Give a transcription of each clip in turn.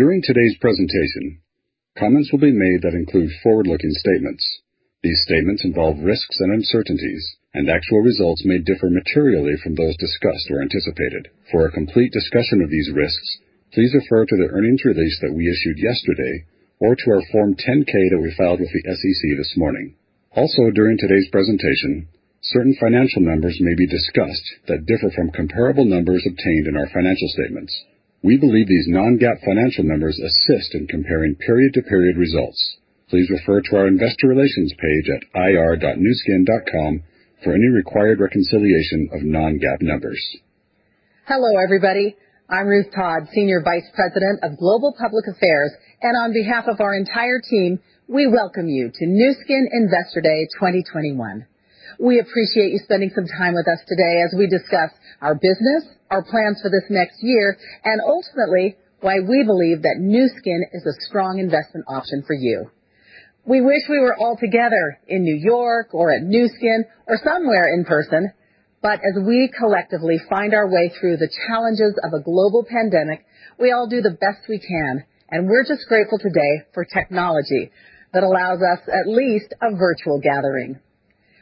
During today's presentation, comments will be made that include forward-looking statements. These statements involve risks and uncertainties, and actual results may differ materially from those discussed or anticipated. For a complete discussion of these risks, please refer to the earnings release that we issued yesterday or to our Form 10-K that we filed with the SEC this morning. Also, during today's presentation, certain financial numbers may be discussed that differ from comparable numbers obtained in our financial statements. We believe these non-GAAP financial numbers assist in comparing period-to-period results. Please refer to our investor relations page at ir.nuskin.com for any required reconciliation of non-GAAP numbers. Hello, everybody. I'm Ruth Todd, Senior Vice President of Global Public Affairs. On behalf of our entire team, we welcome you to Nu Skin Investor Day 2021. We appreciate you spending some time with us today as we discuss our business, our plans for this next year, and ultimately, why we believe that Nu Skin is a strong investment option for you. We wish we were all together in New York or at Nu Skin or somewhere in person. As we collectively find our way through the challenges of a global pandemic, we all do the best we can. We're just grateful today for technology that allows us at least a virtual gathering.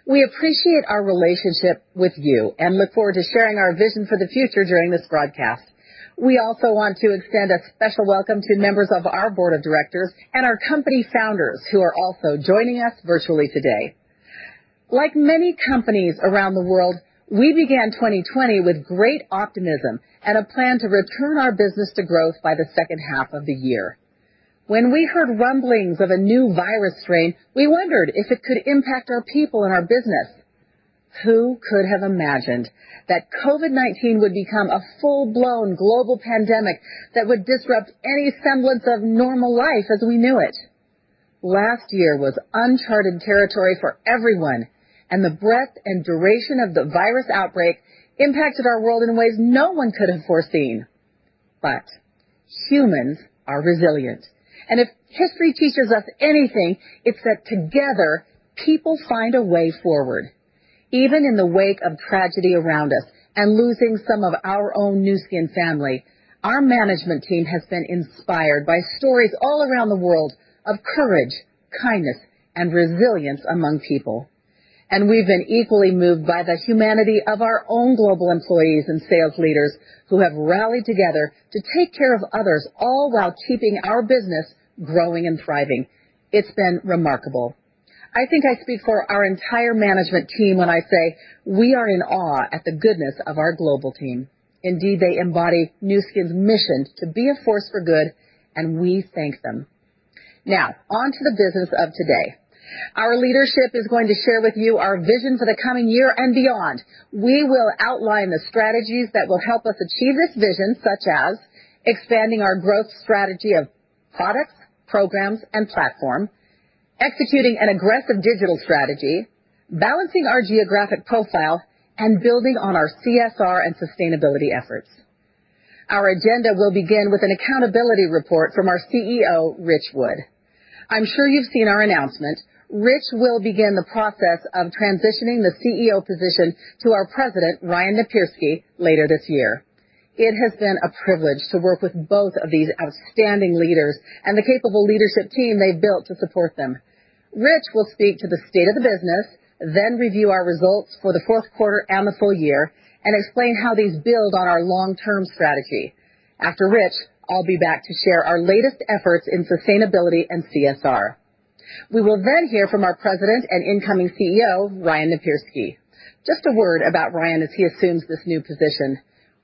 We appreciate our relationship with you and look forward to sharing our vision for the future during this broadcast. We also want to extend a special welcome to members of our board of directors and our company founders who are also joining us virtually today. Like many companies around the world, we began 2020 with great optimism and a plan to return our business to growth by the second half of the year. When we heard rumblings of a new virus strain, we wondered if it could impact our people and our business. Who could have imagined that COVID-19 would become a full-blown global pandemic that would disrupt any semblance of normal life as we knew it? Last year was uncharted territory for everyone, and the breadth and duration of the virus outbreak impacted our world in ways no one could have foreseen. Humans are resilient, and if history teaches us anything, it's that together, people find a way forward. Even in the wake of tragedy around us and losing some of our own Nu Skin family, our management team has been inspired by stories all around the world of courage, kindness, and resilience among people. We've been equally moved by the humanity of our own global employees and sales leaders who have rallied together to take care of others, all while keeping our business growing and thriving. It's been remarkable. I think I speak for our entire management team when I say we are in awe at the goodness of our global team. Indeed, they embody Nu Skin's mission to be a Force for Good, and we thank them. Now, onto the business of today. Our leadership is going to share with you our vision for the coming year and beyond. We will outline the strategies that will help us achieve this vision, such as expanding our growth strategy of products, programs, and platform, executing an aggressive digital strategy, balancing our geographic profile, and building on our CSR and sustainability efforts. Our agenda will begin with an accountability report from our CEO, Ritch Wood. I'm sure you've seen our announcement. Ritch will begin the process of transitioning the CEO position to our President, Ryan Napierski, later this year. It has been a privilege to work with both of these outstanding leaders and the capable leadership team they've built to support them. Ritch will speak to the state of the business, then review our results for the fourth quarter and the full year, and explain how these build on our long-term strategy. After Ritch, I'll be back to share our latest efforts in sustainability and CSR. We will hear from our President and incoming CEO, Ryan Napierski. Just a word about Ryan as he assumes this new position.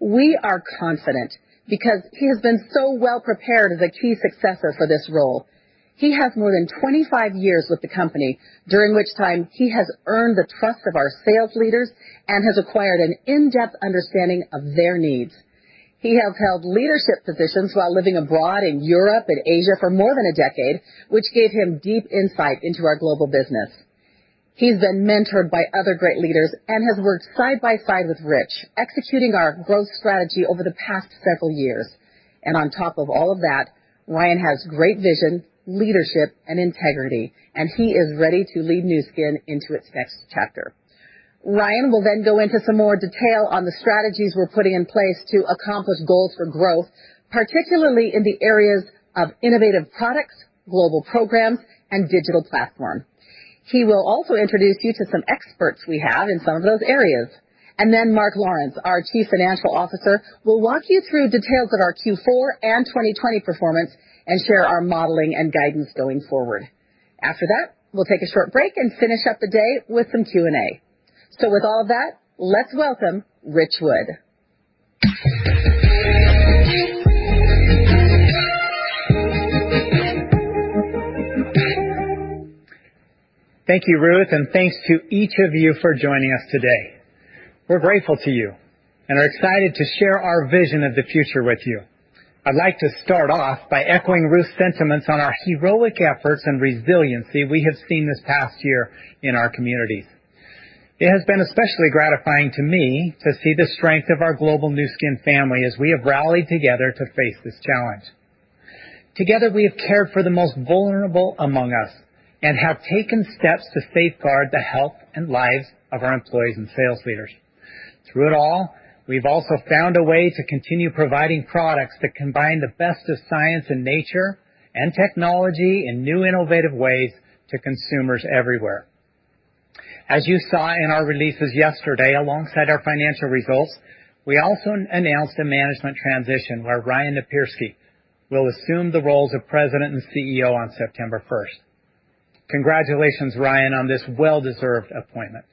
We are confident because he has been so well-prepared as a key successor for this role. He has more than 25 years with the company, during which time he has earned the trust of our sales leaders and has acquired an in-depth understanding of their needs. He has held leadership positions while living abroad in Europe and Asia for more than a decade, which gave him deep insight into our global business. He's been mentored by other great leaders and has worked side by side with Ritch, executing our growth strategy over the past several years. On top of all of that, Ryan has great vision, leadership, and integrity, and he is ready to lead Nu Skin into its next chapter. Ryan will then go into some more detail on the strategies we're putting in place to accomplish goals for growth, particularly in the areas of innovative products, global programs, and digital platform. He will also introduce you to some experts we have in some of those areas. And then, Mark Lawrence, our Chief Financial Officer, will walk you through details of our Q4 and 2020 performance and share our modeling and guidance going forward. After that, we'll take a short break and finish up the day with some Q&A. With all of that, let's welcome Ritch Wood. Thank you, Ruth, and thanks to each of you for joining us today. We're grateful to you and are excited to share our vision of the future with you. I'd like to start off by echoing Ruth's sentiments on our heroic efforts and resiliency we have seen this past year in our communities. It has been especially gratifying to me to see the strength of our global Nu Skin family as we have rallied together to face this challenge. Together, we have cared for the most vulnerable among us and have taken steps to safeguard the health and lives of our employees and sales leaders. Through it all, we've also found a way to continue providing products that combine the best of science and nature and technology in new, innovative ways to consumers everywhere. As you saw in our releases yesterday, alongside our financial results, we also announced a management transition where Ryan Napierski will assume the roles of President and CEO on September 1st. Congratulations, Ryan, on this well-deserved appointment.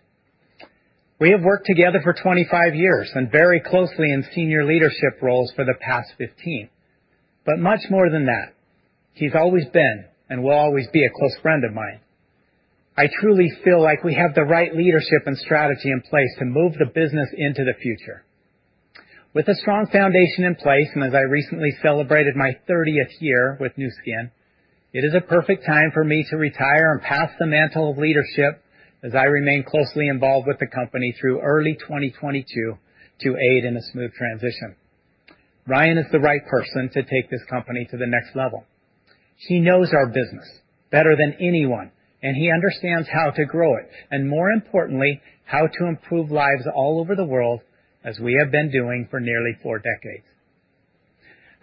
We have worked together for 25 years, and very closely in senior leadership roles for the past 15. Much more than that, he's always been and will always be a close friend of mine. I truly feel like we have the right leadership and strategy in place to move the business into the future. With a strong foundation in place, and as I recently celebrated my 30th year with Nu Skin, it is a perfect time for me to retire and pass the mantle of leadership as I remain closely involved with the company through early 2022 to aid in a smooth transition. Ryan is the right person to take this company to the next level. He knows our business better than anyone. He understands how to grow it, and more importantly, how to improve lives all over the world as we have been doing for nearly four decades.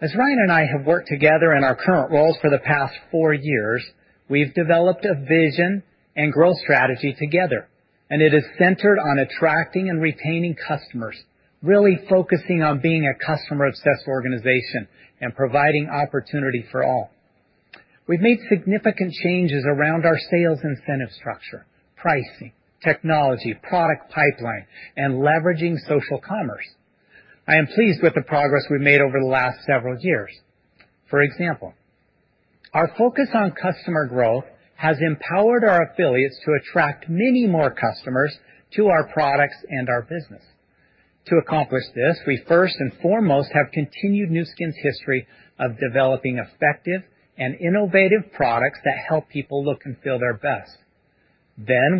As Ryan and I have worked together in our current roles for the past four years, we've developed a vision and growth strategy together. It is centered on attracting and retaining customers, really focusing on being a customer-obsessed organization and providing opportunity for all. We've made significant changes around our sales incentive structure, pricing, technology, product pipeline, and leveraging social commerce. I am pleased with the progress we've made over the last several years. For example, our focus on customer growth has empowered our affiliates to attract many more customers to our products and our business. To accomplish this, we first and foremost have continued Nu Skin's history of developing effective and innovative products that help people look and feel their best.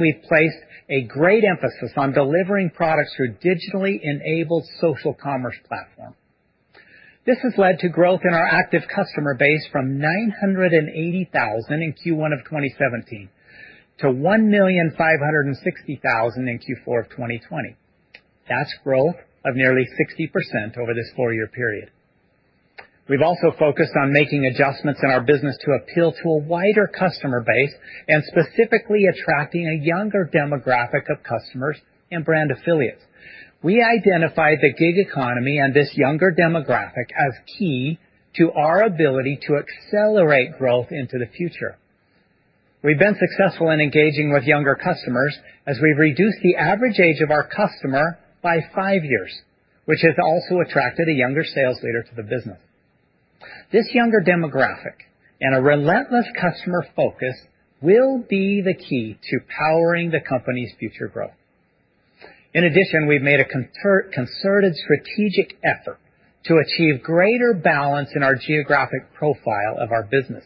We've placed a great emphasis on delivering products through digitally enabled social commerce platform. This has led to growth in our active customer base from 980,000 in Q1 of 2017 to 1,560,000 in Q4 of 2020. That's growth of nearly 60% over this four-year period. We've also focused on making adjustments in our business to appeal to a wider customer base and specifically attracting a younger demographic of customers and brand affiliates. We identified the gig economy and this younger demographic as key to our ability to accelerate growth into the future. We've been successful in engaging with younger customers as we've reduced the average age of our customer by five years, which has also attracted a younger sales leader to the business. This younger demographic and a relentless customer focus will be the key to powering the company's future growth. In addition, we've made a concerted strategic effort to achieve greater balance in our geographic profile of our business.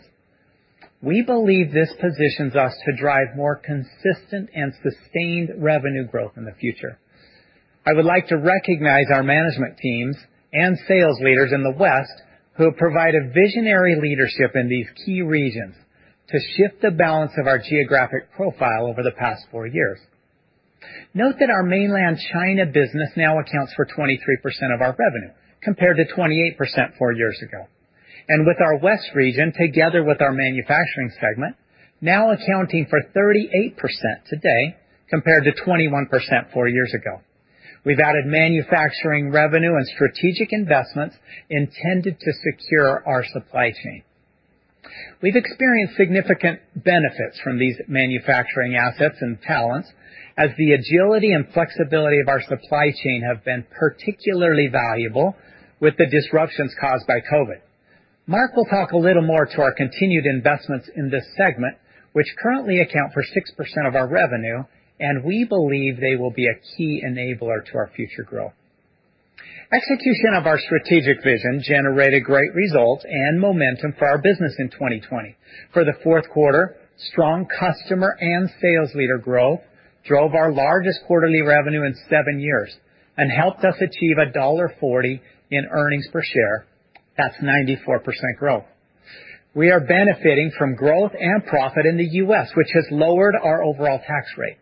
We believe this positions us to drive more consistent and sustained revenue growth in the future. I would like to recognize our management teams and sales leaders in the West who have provided visionary leadership in these key regions to shift the balance of our geographic profile over the past four years. Note that our mainland China business now accounts for 23% of our revenue, compared to 28% four years ago. With our West region, together with our manufacturing segment, now accounting for 38% today, compared to 21% four years ago. We've added manufacturing revenue and strategic investments intended to secure our supply chain. We've experienced significant benefits from these manufacturing assets and talents as the agility and flexibility of our supply chain have been particularly valuable with the disruptions caused by COVID. Mark will talk a little more to our continued investments in this segment, which currently account for 6% of our revenue, and we believe they will be a key enabler to our future growth. Execution of our strategic vision generated great results and momentum for our business in 2020. For the fourth quarter, strong customer and sales leader growth drove our largest quarterly revenue in seven years and helped us achieve $1.40 in earnings per share. That's 94% growth. We are benefiting from growth and profit in the U.S., which has lowered our overall tax rate.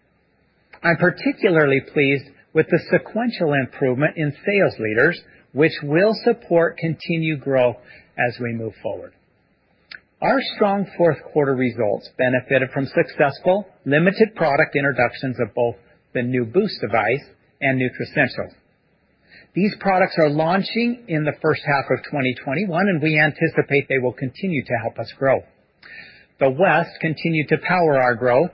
I'm particularly pleased with the sequential improvement in sales leaders, which will support continued growth as we move forward. Our strong fourth quarter results benefited from successful limited product introductions of both the new Boost device and Nutricentials. These products are launching in the first half of 2021, we anticipate they will continue to help us grow. The West continued to power our growth,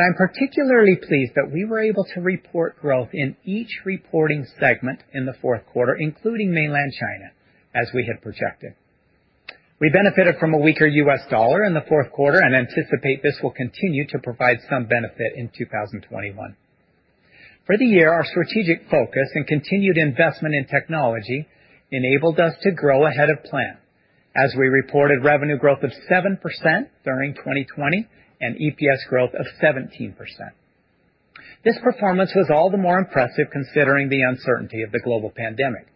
I'm particularly pleased that we were able to report growth in each reporting segment in the fourth quarter, including mainland China, as we had projected. We benefited from a weaker U.S. dollar in the fourth quarter, anticipate this will continue to provide some benefit in 2021. For the year, our strategic focus and continued investment in technology enabled us to grow ahead of plan. We reported revenue growth of 7% during 2020 and EPS growth of 17%. This performance was all the more impressive considering the uncertainty of the global pandemic.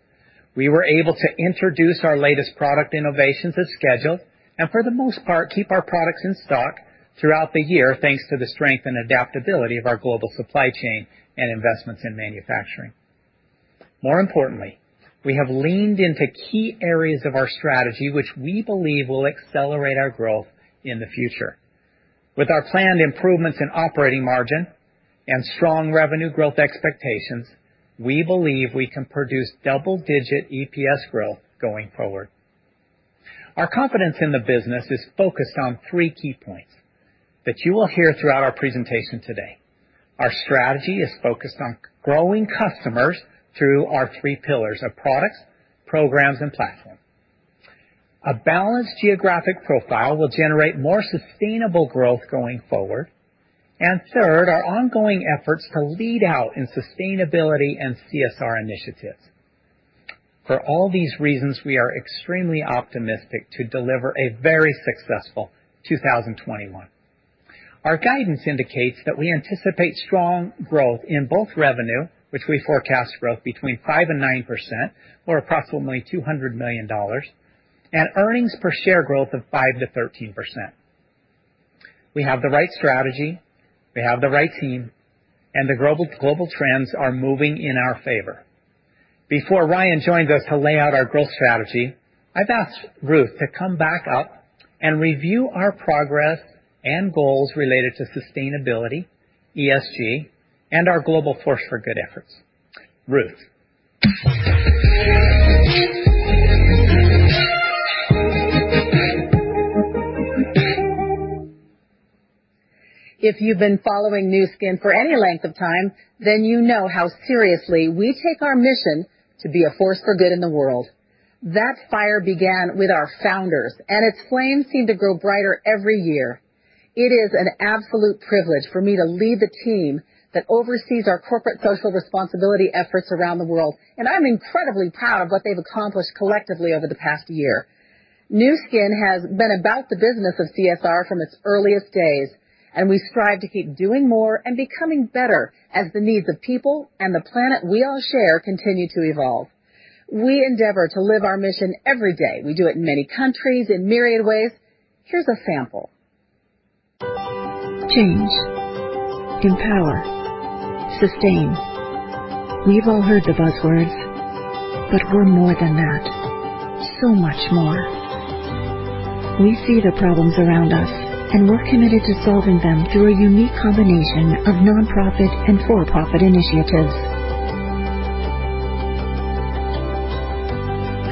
We were able to introduce our latest product innovations as scheduled, and for the most part, keep our products in stock throughout the year thanks to the strength and adaptability of our global supply chain and investments in manufacturing. More importantly, we have leaned into key areas of our strategy, which we believe will accelerate our growth in the future. With our planned improvements in operating margin and strong revenue growth expectations, we believe we can produce double-digit EPS growth going forward. Our confidence in the business is focused on three key points that you will hear throughout our presentation today. Our strategy is focused on growing customers through our three pillars of products, programs, and platform. A balanced geographic profile will generate more sustainable growth going forward. Third, our ongoing efforts to lead out in sustainability and CSR initiatives. For all these reasons, we are extremely optimistic to deliver a very successful 2021. Our guidance indicates that we anticipate strong growth in both revenue, which we forecast growth between 5%-9%, or approximately $200 million, and earnings per share growth of 5%-13%. We have the right strategy, we have the right team, the global trends are moving in our favor. Before Ryan joins us to lay out our growth strategy, I've asked Ruth to come back up and review our progress and goals related to sustainability, ESG, and our global Force for Good efforts. Ruth. If you've been following Nu Skin for any length of time, then you know how seriously we take our mission to be a force for good in the world. That fire began with our founders, and its flames seem to grow brighter every year. It is an absolute privilege for me to lead the team that oversees our corporate social responsibility efforts around the world, and I'm incredibly proud of what they've accomplished collectively over the past year. Nu Skin has been about the business of CSR from its earliest days, and we strive to keep doing more and becoming better as the needs of people and the planet we all share continue to evolve. We endeavor to live our mission every day. We do it in many countries, in myriad ways. Here's a sample. Change. Empower. Sustain. We've all heard the buzzwords, we're more than that. So much more. We see the problems around us, we're committed to solving them through a unique combination of nonprofit and for-profit initiatives.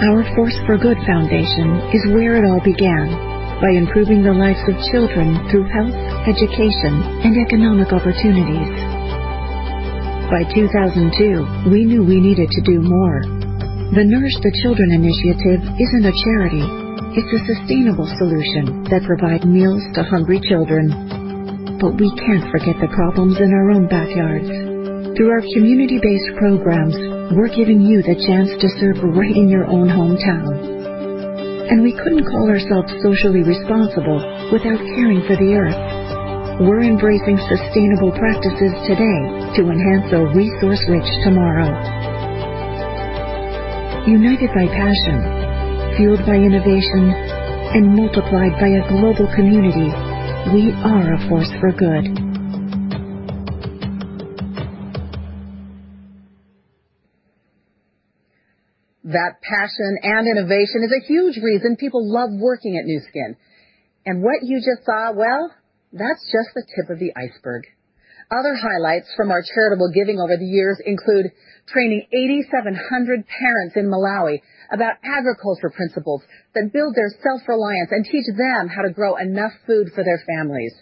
Our Force for Good Foundation is where it all began, by improving the lives of children through health, education, and economic opportunities. By 2002, we knew we needed to do more. The Nourish the Children initiative isn't a charity. It's a sustainable solution that provide meals to hungry children. We can't forget the problems in our own backyards. Through our community-based programs, we're giving you the chance to serve right in your own hometown. We couldn't call ourselves socially responsible without caring for the Earth. We're embracing sustainable practices today to enhance a resource-rich tomorrow. United by passion, fueled by innovation, and multiplied by a global community, we are a force for good. That passion and innovation is a huge reason people love working at Nu Skin. What you just saw, well, that's just the tip of the iceberg. Other highlights from our charitable giving over the years include training 8,700 parents in Malawi about agriculture principles that build their self-reliance and teach them how to grow enough food for their families.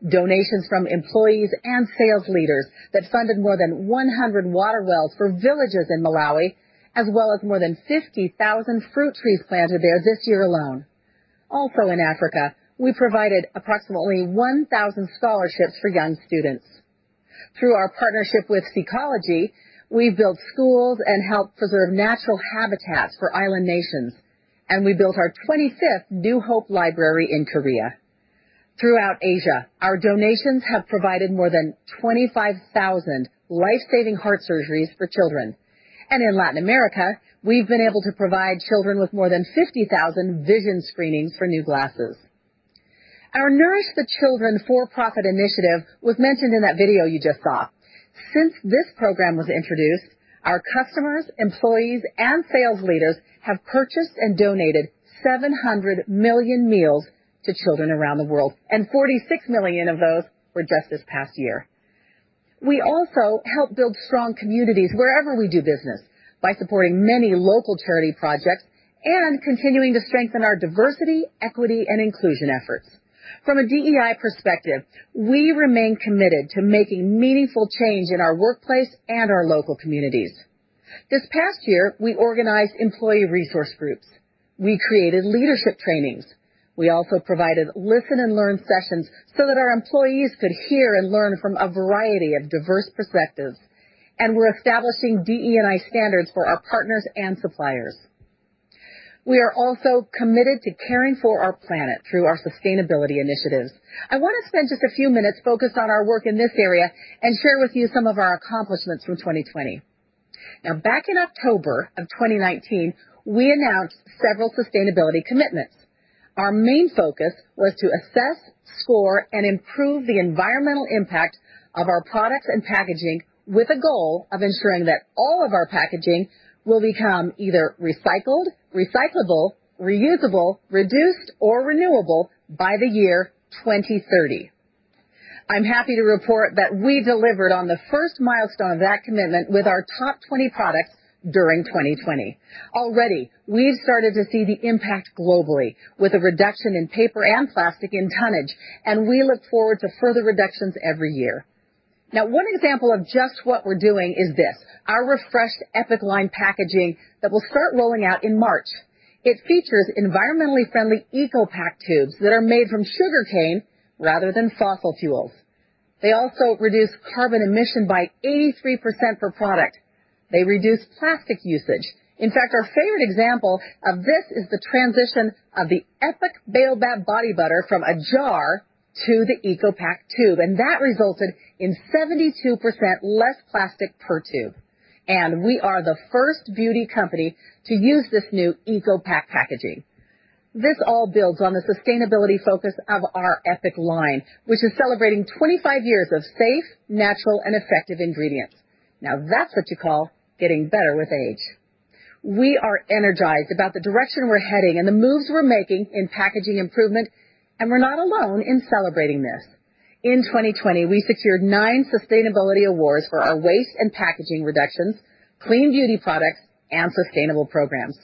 Donations from employees and sales leaders that funded more than 100 water wells for villages in Malawi, as well as more than 50,000 fruit trees planted there this year alone. Also in Africa, we provided approximately 1,000 scholarships for young students. Through our partnership with Seacology, we built schools and helped preserve natural habitats for island nations, and we built our 25th Nu Hope Library in Korea. Throughout Asia, our donations have provided more than 25,000 life-saving heart surgeries for children. In Latin America, we've been able to provide children with more than 50,000 vision screenings for new glasses. Our Nourish the Children for-profit initiative was mentioned in that video you just saw. Since this program was introduced, our customers, employees, and sales leaders have purchased and donated 700 million meals to children around the world, and 46 million of those were just this past year. We also help build strong communities wherever we do business by supporting many local charity projects and continuing to strengthen our diversity, equity, and inclusion efforts. From a DEI perspective, we remain committed to making meaningful change in our workplace and our local communities. This past year, we organized employee resource groups. We created leadership trainings. We also provided listen and learn sessions so that our employees could hear and learn from a variety of diverse perspectives. We're establishing DE&I standards for our partners and suppliers. We are also committed to caring for our planet through our sustainability initiatives. I want to spend just a few minutes focused on our work in this area and share with you some of our accomplishments from 2020. Back in October of 2019, we announced several sustainability commitments. Our main focus was to assess, score, and improve the environmental impact of our products and packaging with a goal of ensuring that all of our packaging will become either recycled, recyclable, reusable, reduced, or renewable by the year 2030. I'm happy to report that we delivered on the first milestone of that commitment with our top 20 products during 2020. Already, we've started to see the impact globally with a reduction in paper and plastic in tonnage, and we look forward to further reductions every year. One example of just what we're doing is this: our refreshed Epoch line packaging that will start rolling out in March. It features environmentally friendly Eco-Pac tubes that are made from sugarcane rather than fossil fuels. They also reduce carbon emission by 83% per product. They reduce plastic usage. In fact, our favorite example of this is the transition of the Epoch Baobab Body Butter from a jar to the Eco-Pac tube, that resulted in 72% less plastic per tube. We are the first beauty company to use this new Eco-Pac packaging. This all builds on the sustainability focus of our Epoch line, which is celebrating 25 years of safe, natural, and effective ingredients. That's what you call getting better with age. We are energized about the direction we're heading and the moves we're making in packaging improvement, we're not alone in celebrating this. In 2020, we secured nine sustainability awards for our waste and packaging reductions, clean beauty products, and sustainable programs.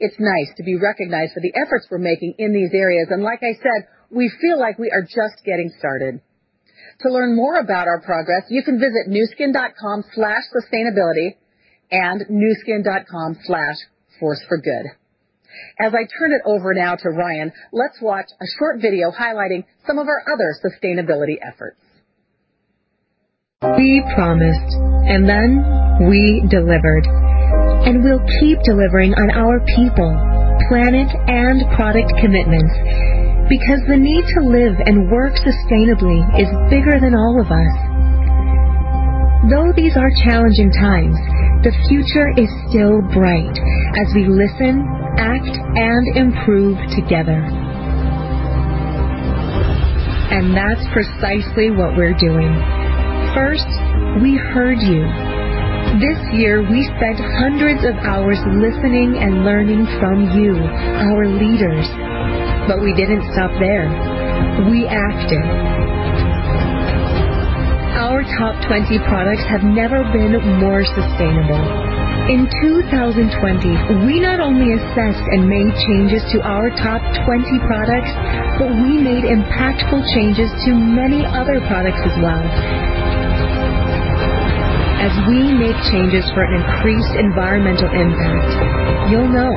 It is nice to be recognized for the efforts we are making in these areas. And like I said, we feel like we are just getting started. To learn more about our progress, you can visit nuskin.com/sustainability and nuskin.com/forceforgood. As I turn it over now to Ryan, let us watch a short video highlighting some of our other sustainability efforts. We promised, then we delivered, we'll keep delivering on our people, planet, and product commitments because the need to live and work sustainably is bigger than all of us. These are challenging times, the future is still bright as we listen, act, and improve together. That's precisely what we're doing. First, we heard you. This year, we spent hundreds of hours listening and learning from you, our leaders. We didn't stop there. We acted. Our top 20 products have never been more sustainable. In 2020, we not only assessed and made changes to our top 20 products, we made impactful changes to many other products as well. As we make changes for an increased environmental impact, you'll know.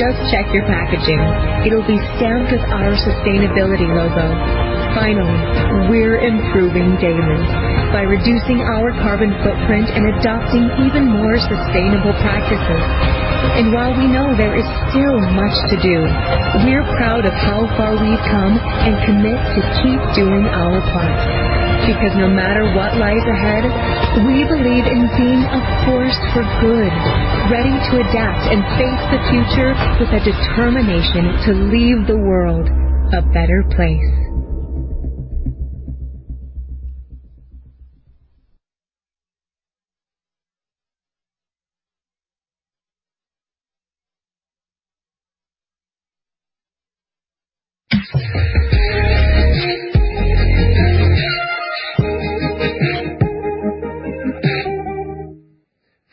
Just check your packaging. It'll be stamped with our sustainability logo. Finally, we're improving daily by reducing our carbon footprint and adopting even more sustainable practices. While we know there is still much to do, we're proud of how far we've come and commit to keep doing our part. No matter what lies ahead, we believe in being a Force for Good, ready to adapt and face the future with a determination to leave the world a better place.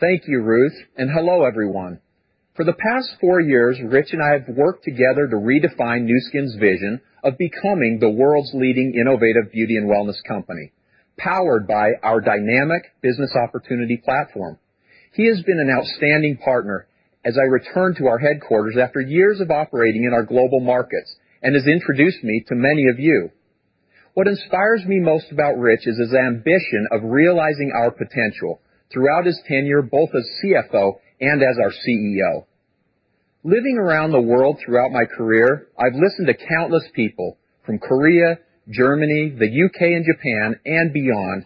Thank you, Ruth, and hello, everyone. For the past four years, Ritch and I have worked together to redefine Nu Skin's vision of becoming the world's leading innovative beauty and wellness company, powered by our dynamic business opportunity platform. He has been an outstanding partner as I return to our headquarters after years of operating in our global markets and has introduced me to many of you. What inspires me most about Ritch is his ambition of realizing our potential throughout his tenure, both as CFO and as our CEO. Living around the world throughout my career, I've listened to countless people from Korea, Germany, the U.K., and Japan and beyond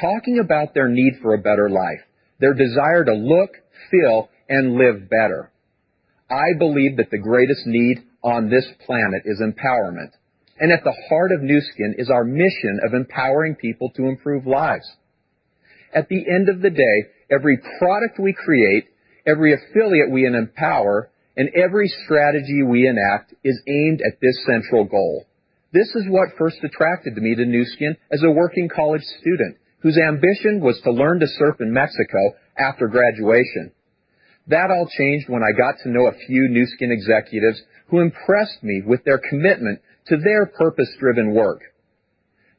talking about their need for a better life, their desire to look, feel, and live better. I believe that the greatest need on this planet is empowerment, and at the heart of Nu Skin is our mission of empowering people to improve lives. At the end of the day, every product we create, every affiliate we empower, and every strategy we enact is aimed at this central goal. This is what first attracted me to Nu Skin as a working college student whose ambition was to learn to surf in Mexico after graduation. That all changed when I got to know a few Nu Skin executives who impressed me with their commitment to their purpose-driven work.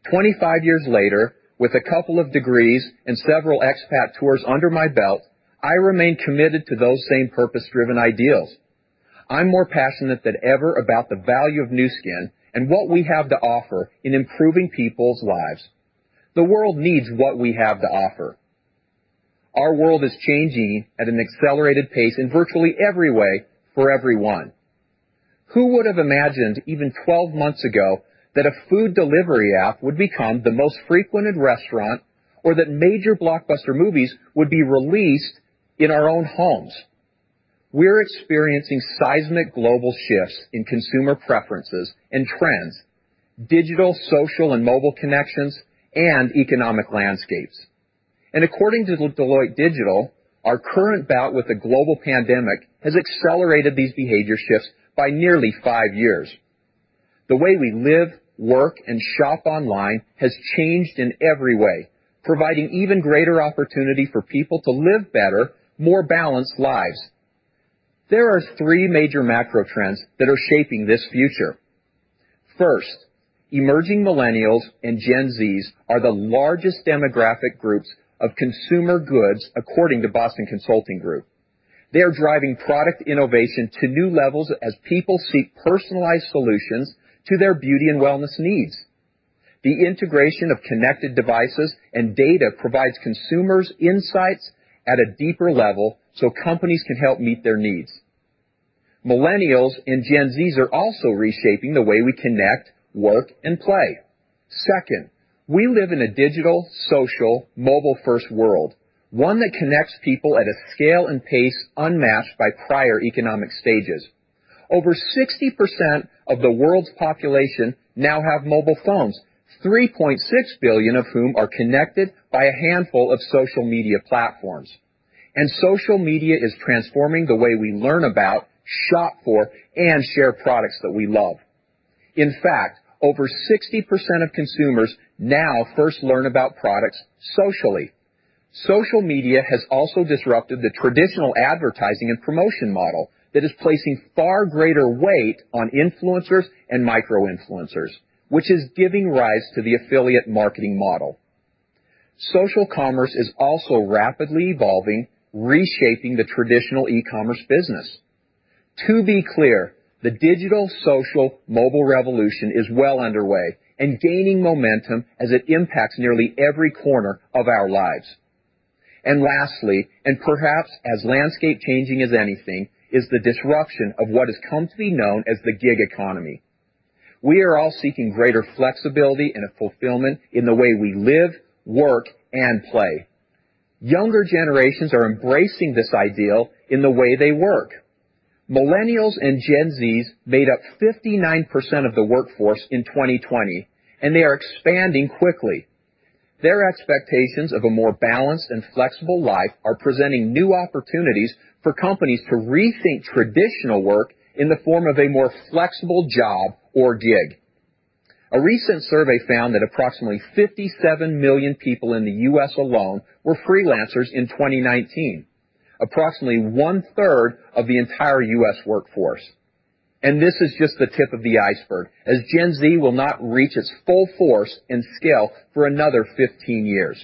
25 years later, with a couple of degrees and several expat tours under my belt, I remain committed to those same purpose-driven ideals. I'm more passionate than ever about the value of Nu Skin and what we have to offer in improving people's lives. The world needs what we have to offer. Our world is changing at an accelerated pace in virtually every way for everyone. Who would have imagined, even 12 months ago, that a food delivery app would become the most frequented restaurant or that major blockbuster movies would be released in our own homes? We're experiencing seismic global shifts in consumer preferences and trends, digital, social, and mobile connections, and economic landscapes. According to Deloitte Digital, our current bout with the global pandemic has accelerated these behavior shifts by nearly five years. The way we live, work, and shop online has changed in every way, providing even greater opportunity for people to live better, more balanced lives. There are three major macro trends that are shaping this future. First, emerging Millennials and Gen Zs are the largest demographic groups of consumer goods according to Boston Consulting Group. They are driving product innovation to new levels as people seek personalized solutions to their beauty and wellness needs. The integration of connected devices and data provides consumers insights at a deeper level so companies can help meet their needs. Millennials and Gen Zs are also reshaping the way we connect, work, and play. Second, we live in a digital, social, mobile-first world, one that connects people at a scale and pace unmatched by prior economic stages. Over 60% of the world's population now have mobile phones, 3.6 billion of whom are connected by a handful of social media platforms. Social media is transforming the way we learn about, shop for, and share products that we love. In fact, over 60% of consumers now first learn about products socially. Social media has also disrupted the traditional advertising and promotion model that is placing far greater weight on influencers and micro-influencers, which is giving rise to the affiliate marketing model. Social commerce is also rapidly evolving, reshaping the traditional e-commerce business. To be clear, the digital, social, mobile revolution is well underway and gaining momentum as it impacts nearly every corner of our lives. Lastly, and perhaps as landscape changing as anything, is the disruption of what has come to be known as the gig economy. We are all seeking greater flexibility and a fulfillment in the way we live, work, and play. Younger generations are embracing this ideal in the way they work. Millennials and Gen Zs made up 59% of the workforce in 2020, and they are expanding quickly. Their expectations of a more balanced and flexible life are presenting new opportunities for companies to rethink traditional work in the form of a more flexible job or gig. A recent survey found that approximately 57 million people in the U.S. alone were freelancers in 2019, approximately 1/3 of the entire U.S. workforce. This is just the tip of the iceberg, as Gen Z will not reach its full force and scale for another 15 years.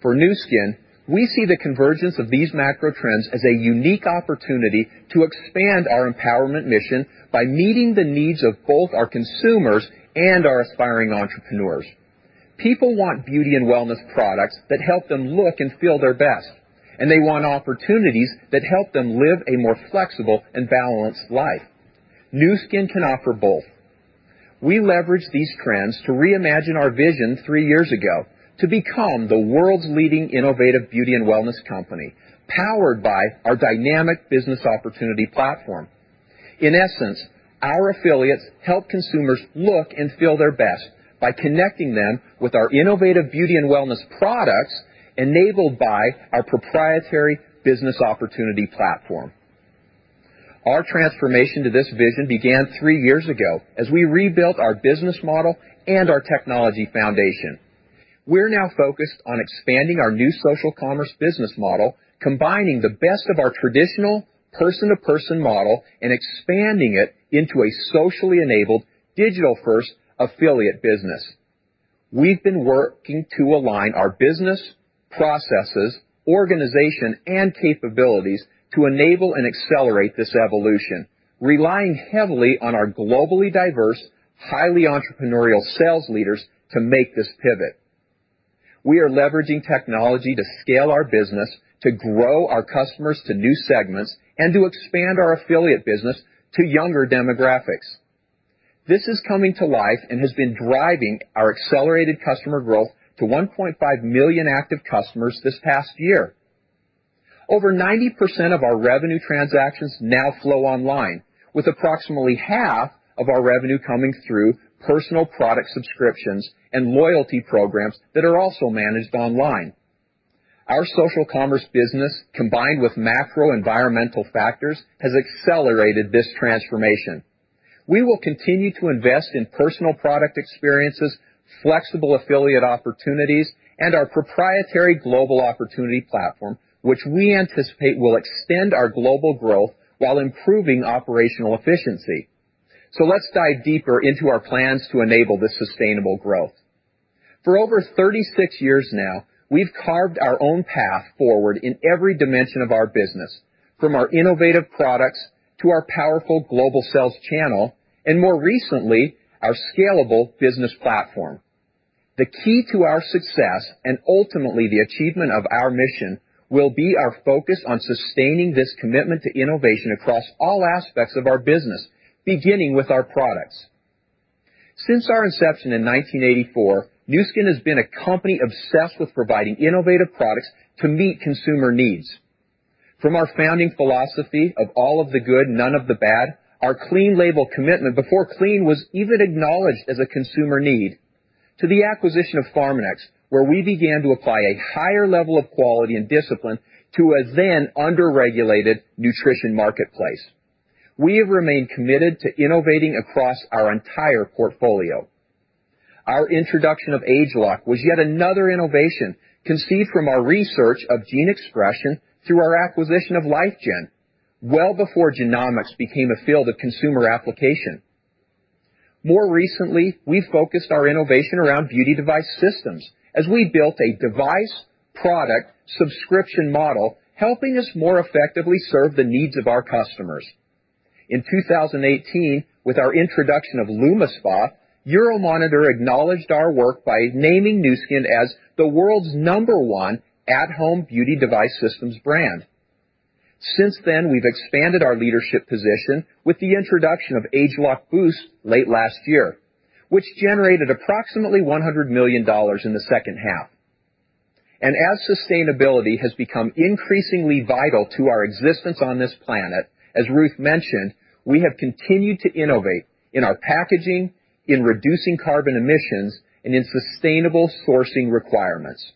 For Nu Skin, we see the convergence of these macro trends as a unique opportunity to expand our empowerment mission by meeting the needs of both our consumers and our aspiring entrepreneurs. People want beauty and wellness products that help them look and feel their best, and they want opportunities that help them live a more flexible and balanced life. Nu Skin can offer both. We leveraged these trends to reimagine our vision three years ago to become the world's leading innovative beauty and wellness company, powered by our dynamic business opportunity platform. In essence, our affiliates help consumers look and feel their best by connecting them with our innovative beauty and wellness products enabled by our proprietary business opportunity platform. Our transformation to this vision began three years ago as we rebuilt our business model and our technology foundation. We are now focused on expanding our new social commerce business model, combining the best of our traditional person-to-person model and expanding it into a socially enabled digital-first affiliate business. We have been working to align our business, processes, organization, and capabilities to enable and accelerate this evolution, relying heavily on our globally diverse, highly entrepreneurial sales leaders to make this pivot. We are leveraging technology to scale our business, to grow our customers to new segments, and to expand our affiliate business to younger demographics. This is coming to life and has been driving our accelerated customer growth to 1.5 million active customers this past year. Over 90% of our revenue transactions now flow online, with approximately half of our revenue coming through personal product subscriptions and loyalty programs that are also managed online. Our social commerce business, combined with macro environmental factors, has accelerated this transformation. We will continue to invest in personal product experiences, flexible affiliate opportunities, and our proprietary global opportunity platform, which we anticipate will extend our global growth while improving operational efficiency. Let's dive deeper into our plans to enable this sustainable growth. For over 36 years now, we've carved our own path forward in every dimension of our business. From our innovative products to our powerful global sales channel, and more recently, our scalable business platform. The key to our success, and ultimately the achievement of our mission, will be our focus on sustaining this commitment to innovation across all aspects of our business, beginning with our products. Since our inception in 1984, Nu Skin has been a company obsessed with providing innovative products to meet consumer needs. From our founding philosophy of all of the good, none of the bad, our clean label commitment before clean was even acknowledged as a consumer need, to the acquisition of Pharmanex, where we began to apply a higher level of quality and discipline to a then underregulated nutrition marketplace. We have remained committed to innovating across our entire portfolio. Our introduction of ageLOC was yet another innovation conceived from our research of gene expression through our acquisition of LifeGen well before genomics became a field of consumer application. More recently, we focused our innovation around beauty device systems as we built a device-product subscription model, helping us more effectively serve the needs of our customers. In 2018, with our introduction of LumiSpa, Euromonitor acknowledged our work by naming Nu Skin as the world's number one at-home beauty device systems brand. Since then, we've expanded our leadership position with the introduction of ageLOC Boost late last year, which generated approximately $100 million in the second half. As sustainability has become increasingly vital to our existence on this planet, as Ruth mentioned, we have continued to innovate in our packaging, in reducing carbon emissions, and in sustainable sourcing requirements.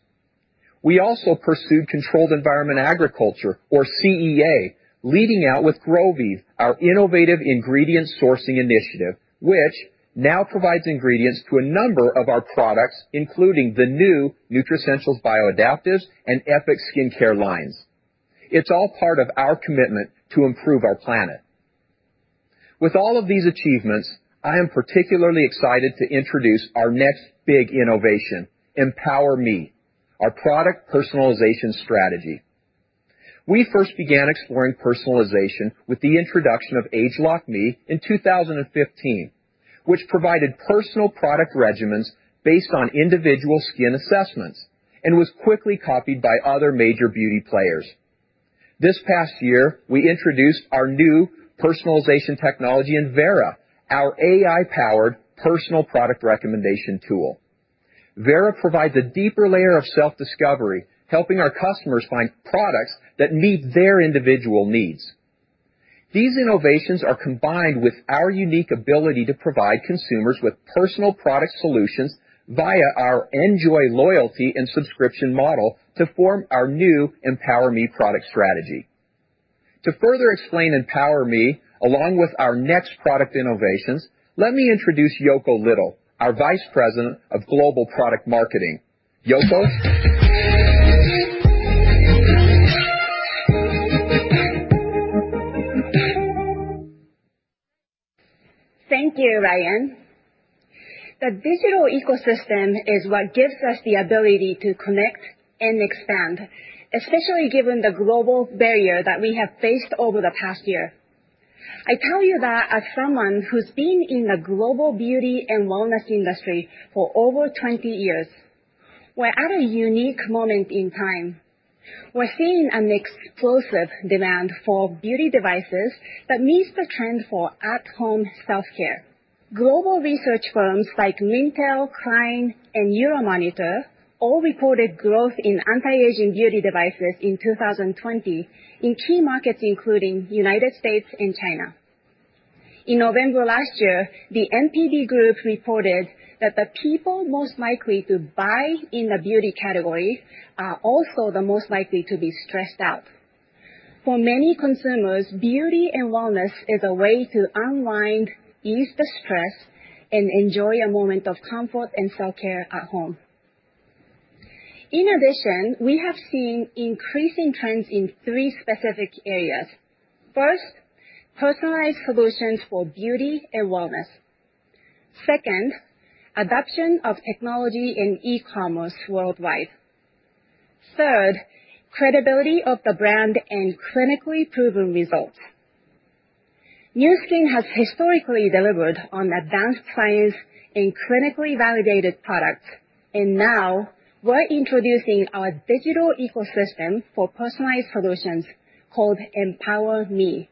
We also pursued controlled environment agriculture, or CEA, leading out with Groviv, our innovative ingredient sourcing initiative, which now provides ingredients to a number of our products, including the new Nutricentials Bioadaptives and Epoch skincare lines. It's all part of our commitment to improve our planet. With all of these achievements, I am particularly excited to introduce our next big innovation, EmpowerMe, our product personalization strategy. We first began exploring personalization with the introduction of ageLOC Me in 2015, which provided personal product regimens based on individual skin assessments and was quickly copied by other major beauty players. This past year, we introduced our new personalization technology in Vera, our AI-powered personal product recommendation tool. Vera provides a deeper layer of self-discovery, helping our customers find products that meet their individual needs. These innovations are combined with our unique ability to provide consumers with personal product solutions via our enJoy loyalty and subscription model to form our new EmpowerMe product strategy. To further explain EmpowerMe, along with our next product innovations, let me introduce Yoko Little, our Vice President of Global Product Marketing. Yoko? Thank you, Ryan. The digital ecosystem is what gives us the ability to connect and expand, especially given the global barrier that we have faced over the past year. I tell you that as someone who's been in the global beauty and wellness industry for over 20 years. We're at a unique moment in time. We're seeing an explosive demand for beauty devices that meets the trend for at-home self-care. Global research firms like Mintel, Kline, and Euromonitor all reported growth in anti-aging beauty devices in 2020 in key markets, including U.S. and China. In November last year, the NPD Group reported that the people most likely to buy in the beauty category are also the most likely to be stressed out. For many consumers, beauty and wellness is a way to unwind, ease the stress, and enjoy a moment of comfort and self-care at home. In our vision, we have seen increasing trends in three specific areas. First, personalized solutions for beauty and wellness. Second, adoption of technology in e-commerce worldwide. Third, credibility of the brand and clinically proven results. Nu Skin has historically delivered on advanced science in clinically validated products, and now we're introducing our digital ecosystem for personalized solutions called EmpowerMe.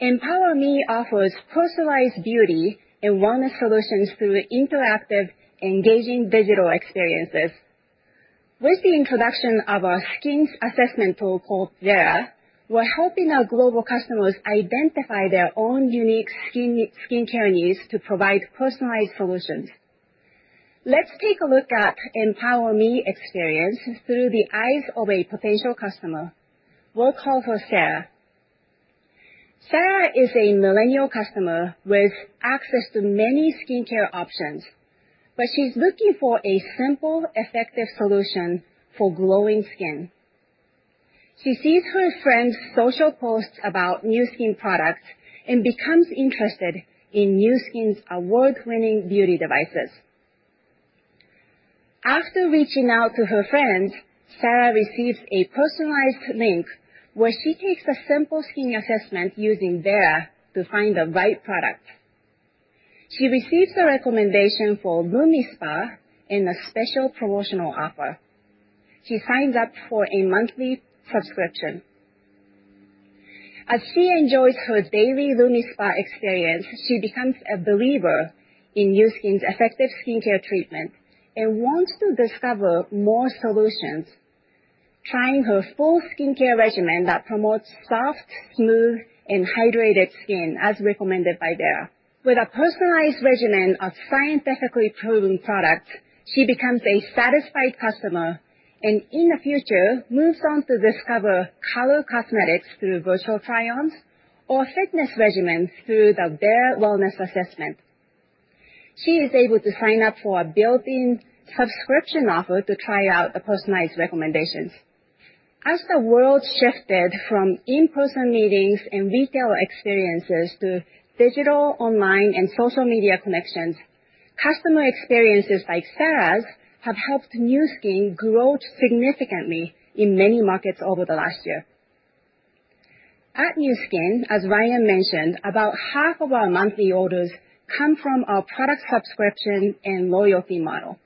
EmpowerMe offers personalized beauty and wellness solutions through interactive, engaging digital experiences. With the introduction of our skin assessment tool called Vera, we're helping our global customers identify their own unique skincare needs to provide personalized solutions. Let's take a look at EmpowerMe experience through the eyes of a potential customer. We'll call her Sarah. Sarah is a millennial customer with access to many skincare options, but she's looking for a simple, effective solution for glowing skin. She sees her friends' social posts about Nu Skin products and becomes interested in Nu Skin's award-winning beauty devices. After reaching out to her friends, Sarah receives a personalized link where she takes a simple skin assessment using Vera to find the right product. She receives a recommendation for LumiSpa and a special promotional offer. She signs up for a monthly subscription. As she enjoys her daily LumiSpa experience, she becomes a believer in Nu Skin's effective skincare treatment and wants to discover more solutions, trying her full skincare regimen that promotes soft, smooth, and hydrated skin as recommended by Vera. With a personalized regimen of scientifically proven products, she becomes a satisfied customer, and in the future, moves on to discover color cosmetics through virtual try-ons or fitness regimens through the Vera wellness assessment. She is able to sign up for a built-in subscription offer to try out the personalized recommendations. As the world shifted from in-person meetings and retail experiences to digital, online, and social media connections, customer experiences like Sarah's have helped Nu Skin grow significantly in many markets over the last year. At Nu Skin, as Ryan mentioned, about half of our monthly orders come from our product subscription and loyalty model.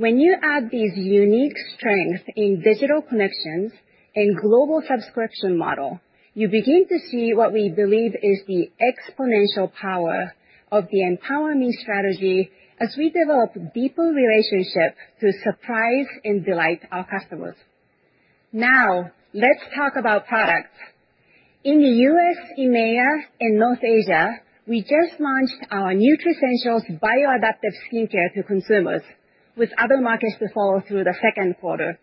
You add these unique strengths in digital connections and global subscription model, you begin to see what we believe is the exponential power of the EmpowerMe strategy as we develop deeper relationships to surprise and delight our customers. Let's talk about products. In the U.S., EMEA, and North Asia, we just launched our Nutricentials Bioadaptive Skin Care to consumers, with other markets to follow through the second quarter.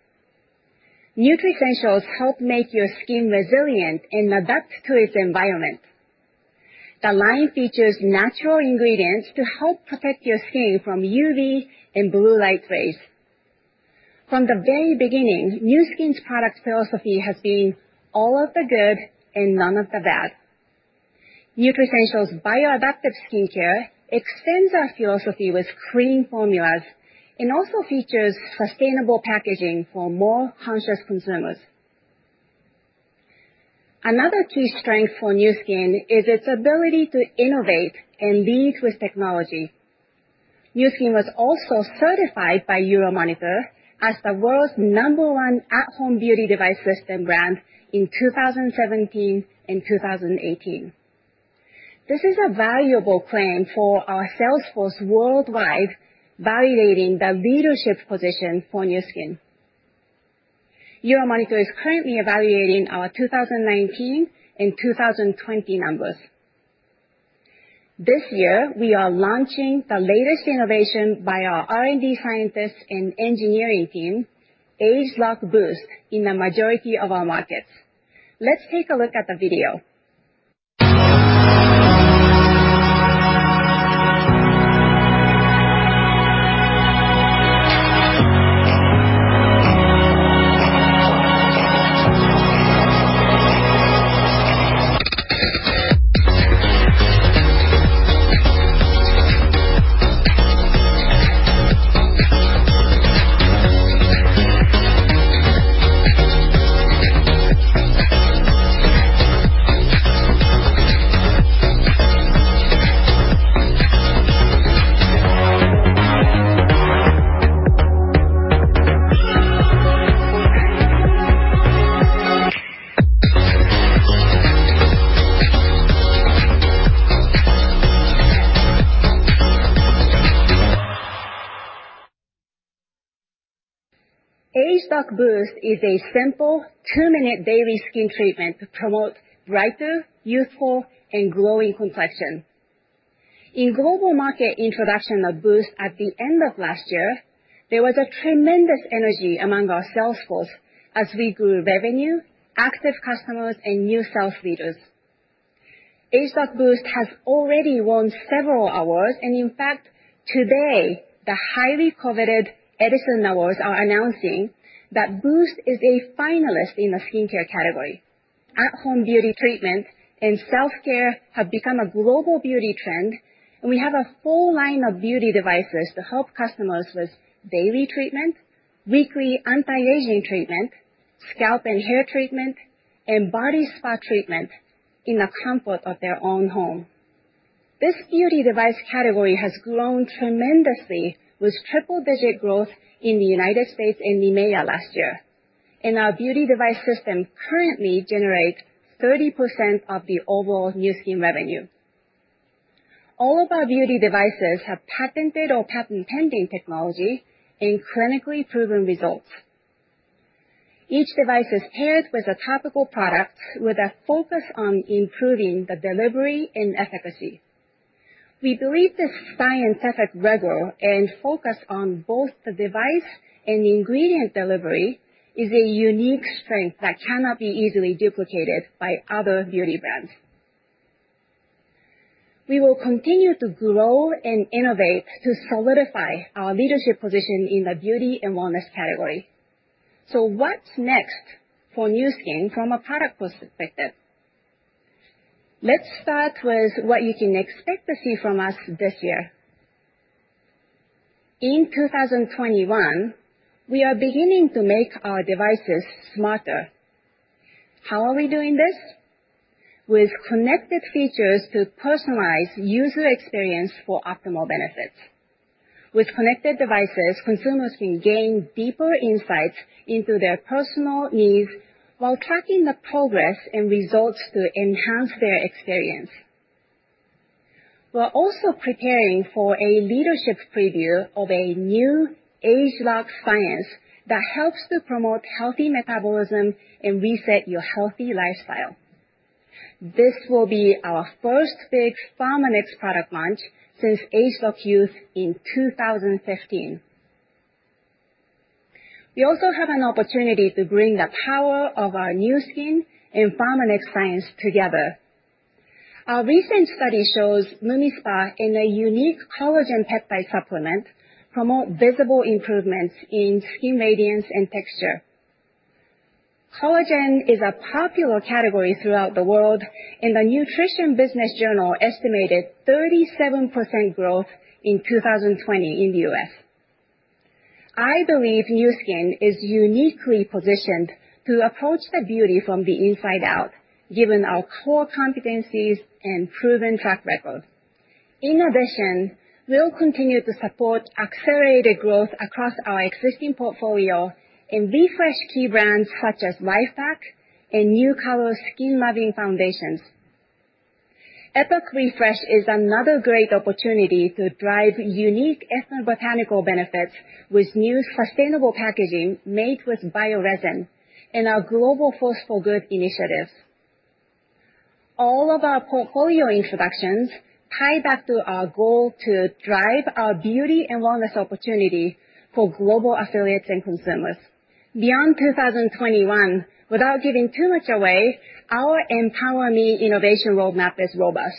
Nutricentials help make your skin resilient and adapt to its environment. The line features natural ingredients to help protect your skin from UV and blue light rays. From the very beginning, Nu Skin's product philosophy has been all of the good and none of the bad. Nutricentials Bioadaptive Skin Care extends our philosophy with clean formulas and also features sustainable packaging for more conscious consumers. Another key strength for Nu Skin is its ability to innovate and lead with technology. Nu Skin was also certified by Euromonitor as the world's number one at-home beauty device system brand in 2017 and 2018. This is a valuable claim for our sales force worldwide, validating the leadership position for Nu Skin. Euromonitor is currently evaluating our 2019 and 2020 numbers. This year, we are launching the latest innovation by our R&D scientists and engineering team, ageLOC Boost, in the majority of our markets. Let's take a look at the video. ageLOC Boost is a simple two-minute daily skin treatment to promote brighter, youthful, and glowing complexion. In global market introduction of Boost at the end of last year, there was a tremendous energy among our sales force as we grew revenue, active customers, and new sales leaders. ageLOC Boost has already won several awards, and in fact, today, the highly coveted Edison Awards are announcing that Boost is a finalist in the skincare category. At-home beauty treatment and self-care have become a global beauty trend, and we have a full line of beauty devices to help customers with daily treatment, weekly anti-aging treatment, scalp and hair treatment, and body spa treatment in the comfort of their own home. This beauty device category has grown tremendously with triple-digit growth in the U.S. and EMEA last year, and our beauty device system currently generates 30% of the overall Nu Skin revenue. All of our beauty devices have patented or patent-pending technology and clinically proven results. Each device is paired with a topical product with a focus on improving the delivery and efficacy. We believe this scientific rigor and focus on both the device and ingredient delivery is a unique strength that cannot be easily duplicated by other beauty brands. We will continue to grow and innovate to solidify our leadership position in the beauty and wellness category. What's next for Nu Skin from a product perspective? Let's start with what you can expect to see from us this year. In 2021, we are beginning to make our devices smarter. How are we doing this? With connected features to personalize user experience for optimal benefits. With connected devices, consumers can gain deeper insights into their personal needs while tracking the progress and results to enhance their experience. We're also preparing for a leadership preview of a new ageLOC science that helps to promote healthy metabolism and reset your healthy lifestyle. This will be our first big Pharmanex product launch since ageLOC Youth in 2015. We also have an opportunity to bring the power of our Nu Skin and Pharmanex science together. Our recent study shows LumiSpa in a unique collagen peptide supplement promote visible improvements in skin radiance and texture. Collagen is a popular category throughout the world, and the Nutrition Business Journal estimated 37% growth in 2020 in the U.S. I believe Nu Skin is uniquely positioned to approach the beauty from the inside out, given our core competencies and proven track record. In addition, we'll continue to support accelerated growth across our existing portfolio and refresh key brands such as LifePak and Nu Colour Skin Loving foundations. Epoch Refresh is another great opportunity to drive unique ethnobotanical benefits with new sustainable packaging made with bioresin and our global Force for Good initiative. All of our portfolio introductions tie back to our goal to drive our beauty and wellness opportunity for global affiliates and consumers. Beyond 2021, without giving too much away, our EmpowerMe innovation roadmap is robust.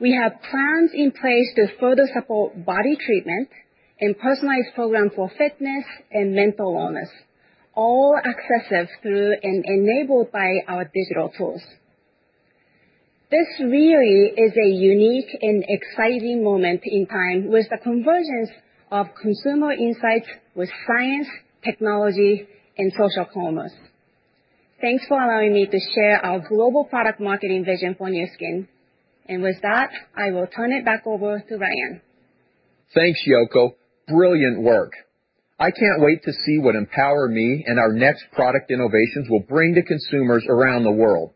We have plans in place to further support body treatment and personalized program for fitness and mental wellness, all accessible through and enabled by our digital tools. This really is a unique and exciting moment in time with the convergence of consumer insights with science, technology, and social commerce. Thanks for allowing me to share our global product marketing vision for Nu Skin. With that, I will turn it back over to Ryan. Thanks, Yoko. Brilliant work. I can't wait to see what EmpowerMe and our next product innovations will bring to consumers around the world.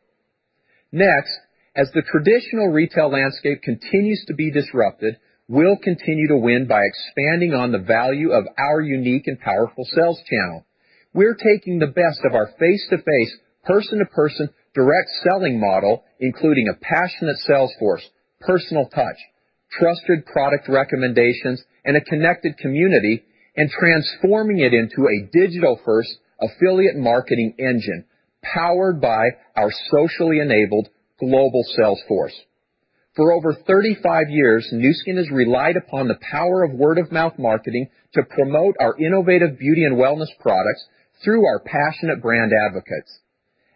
Next, as the traditional retail landscape continues to be disrupted, we'll continue to win by expanding on the value of our unique and powerful sales channel. We're taking the best of our face-to-face, person-to-person direct selling model, including a passionate sales force, personal touch, trusted product recommendations, and a connected community, and transforming it into a digital-first affiliate marketing engine powered by our socially enabled global sales force. For over 35 years, Nu Skin has relied upon the power of word-of-mouth marketing to promote our innovative beauty and wellness products through our passionate brand advocates.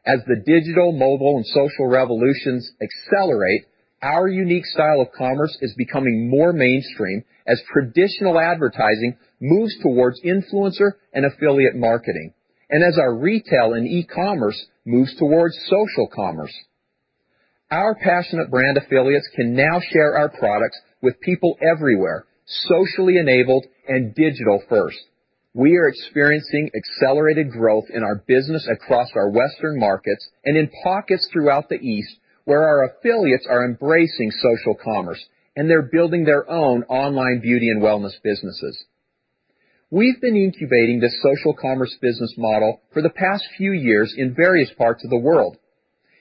As the digital, mobile, and social revolutions accelerate, our unique style of commerce is becoming more mainstream as traditional advertising moves towards influencer and affiliate marketing and as our retail and e-commerce moves towards social commerce. Our passionate brand affiliates can now share our products with people everywhere, socially enabled and digital first. We are experiencing accelerated growth in our business across our Western markets and in pockets throughout the East, where our affiliates are embracing social commerce, and they're building their own online beauty and wellness businesses. We've been incubating this social commerce business model for the past few years in various parts of the world.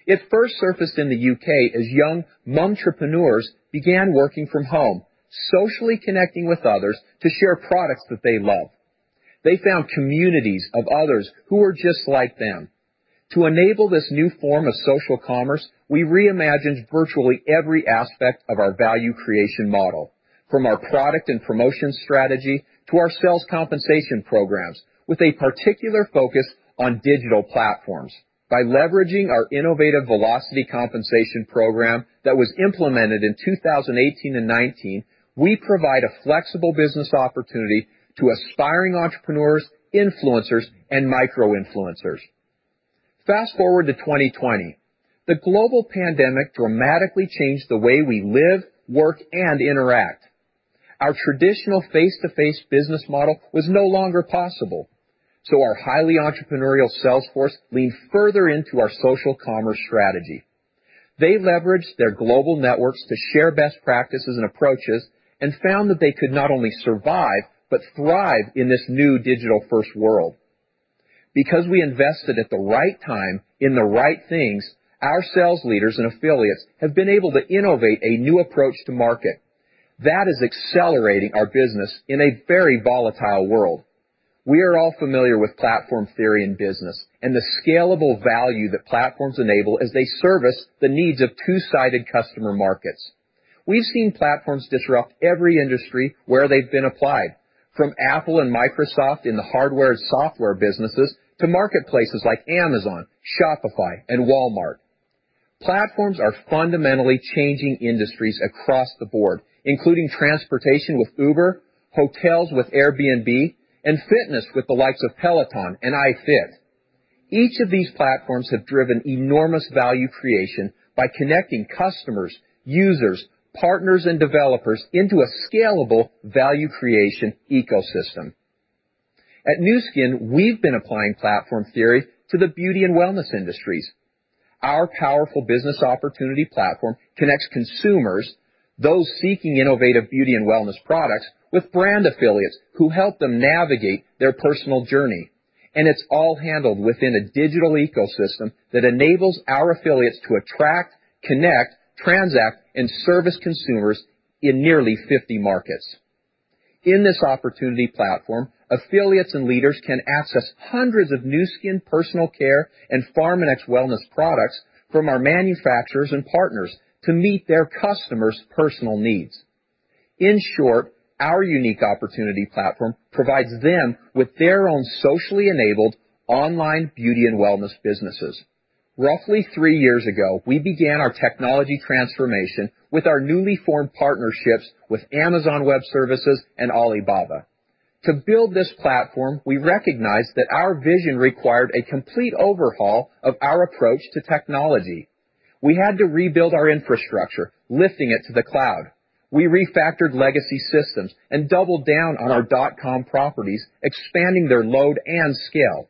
It first surfaced in the U.K. as young momtrepreneurs began working from home, socially connecting with others to share products that they love. They found communities of others who were just like them. To enable this new form of social commerce, we reimagined virtually every aspect of our value creation model, from our product and promotion strategy to our sales compensation programs, with a particular focus on digital platforms. By leveraging our innovative Velocity compensation program that was implemented in 2018 and 2019, we provide a flexible business opportunity to aspiring entrepreneurs, influencers, and micro-influencers. Fast-forward to 2020. The global pandemic dramatically changed the way we live, work, and interact. Our traditional face-to-face business model was no longer possible, so our highly entrepreneurial sales force leaned further into our social commerce strategy. They leveraged their global networks to share best practices and approaches and found that they could not only survive but thrive in this new digital-first world. Because we invested at the right time in the right things, our sales leaders and affiliates have been able to innovate a new approach to market. That is accelerating our business in a very volatile world. We are all familiar with platform theory in business and the scalable value that platforms enable as they service the needs of two-sided customer markets. We've seen platforms disrupt every industry where they've been applied, from Apple and Microsoft in the hardware software businesses to marketplaces like Amazon, Shopify, and Walmart. Platforms are fundamentally changing industries across the board, including transportation with Uber, hotels with Airbnb, and fitness with the likes of Peloton and iFIT. Each of these platforms have driven enormous value creation by connecting customers, users, partners, and developers into a scalable value creation ecosystem. At Nu Skin, we've been applying platform theory to the beauty and wellness industries. Our powerful business opportunity platform connects consumers, those seeking innovative beauty and wellness products, with brand affiliates who help them navigate their personal journey. It's all handled within a digital ecosystem that enables our affiliates to attract, connect, transact, and service consumers in nearly 50 markets. In this opportunity platform, affiliates and leaders can access hundreds of Nu Skin personal care and Pharmanex wellness products from our manufacturers and partners to meet their customers' personal needs. In short, our unique opportunity platform provides them with their own socially enabled online beauty and wellness businesses. Roughly three years ago, we began our technology transformation with our newly formed partnerships with Amazon Web Services and Alibaba. To build this platform, we recognized that our vision required a complete overhaul of our approach to technology. We had to rebuild our infrastructure, lifting it to the cloud. We refactored legacy systems and doubled down on our dot com properties, expanding their load and scale.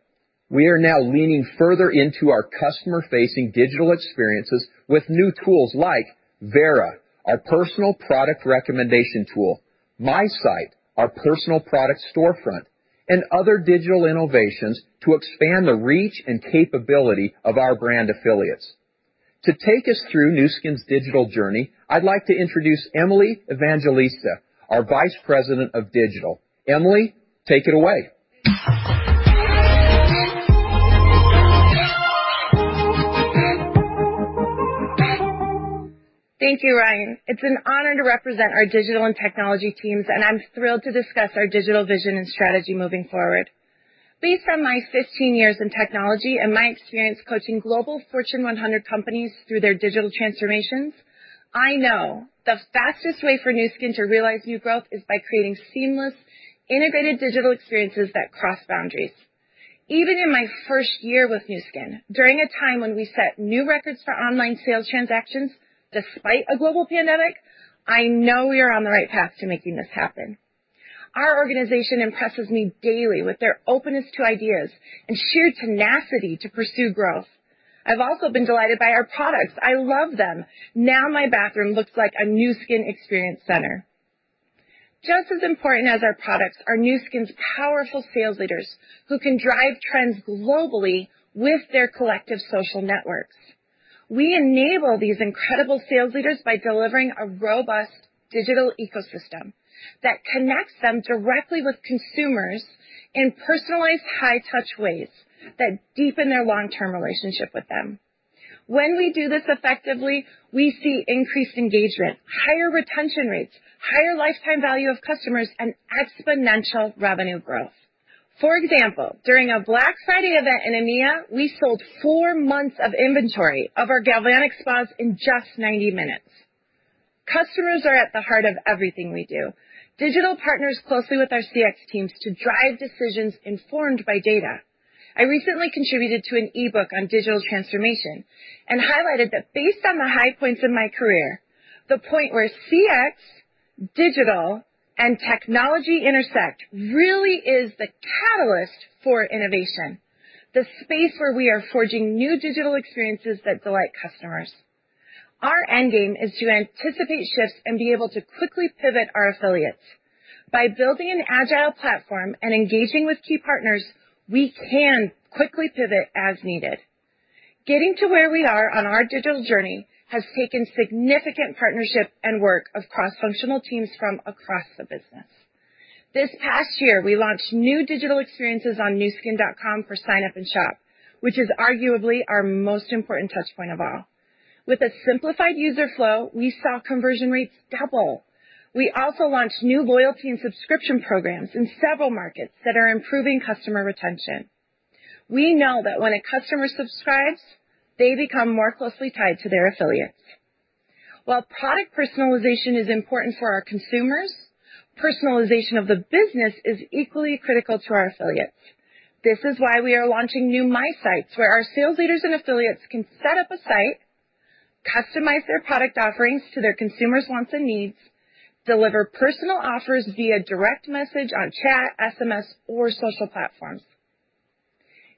We are now leaning further into our customer-facing digital experiences with new tools like Vera, our personal product recommendation tool, MySite, our personal product storefront, and other digital innovations to expand the reach and capability of our brand affiliates. To take us through Nu Skin's digital journey, I'd like to introduce Emily Evangelista, our Vice President of Digital. Emily, take it away. Thank you, Ryan. It's an honor to represent our digital and technology teams, and I'm thrilled to discuss our digital vision and strategy moving forward. Based on my 15 years in technology and my experience coaching global Fortune 100 companies through their digital transformations, I know the fastest way for Nu Skin to realize new growth is by creating seamless, innovative digital experiences that cross boundaries. Even in my first year with Nu Skin, during a time when we set new records for online sales transactions despite a global pandemic, I know we are on the right path to making this happen. Our organization impresses me daily with their openness to ideas and sheer tenacity to pursue growth. I've also been delighted by our products. I love them. Now my bathroom looks like a Nu Skin experience center. Just as important as our products are Nu Skin's powerful sales leaders who can drive trends globally with their collective social networks. We enable these incredible sales leaders by delivering a robust digital ecosystem that connects them directly with consumers in personalized high-touch ways that deepen their long-term relationship with them. When we do this effectively, we see increased engagement, higher retention rates, higher lifetime value of customers, and exponential revenue growth. For example, during a Black Friday event in EMEA, we sold four months of inventory of our Galvanic Spa in just 90 minutes. Customers are at the heart of everything we do. Digital partners closely with our CX teams to drive decisions informed by data. I recently contributed to an e-book on digital transformation and highlighted that based on the high points of my career, the point where CX, digital, and technology intersect really is the catalyst for innovation, the space where we are forging new digital experiences that delight customers. Our end game is to anticipate shifts and be able to quickly pivot our affiliates. By building an agile platform and engaging with key partners, we can quickly pivot as needed. Getting to where we are on our digital journey has taken significant partnership and work of cross-functional teams from across the business. This past year, we launched new digital experiences on nuskin.com for sign-up and shop, which is arguably our most important touch point of all. With a simplified user flow, we saw conversion rates double. We also launched new loyalty and subscription programs in several markets that are improving customer retention. We know that when a customer subscribes, they become more closely tied to their affiliates. While product personalization is important for our consumers, personalization of the business is equally critical to our affiliates. This is why we are launching new MySites where our sales leaders and affiliates can set up a site, customize their product offerings to their consumers' wants and needs, deliver personal offers via direct message on chat, SMS, or social platforms.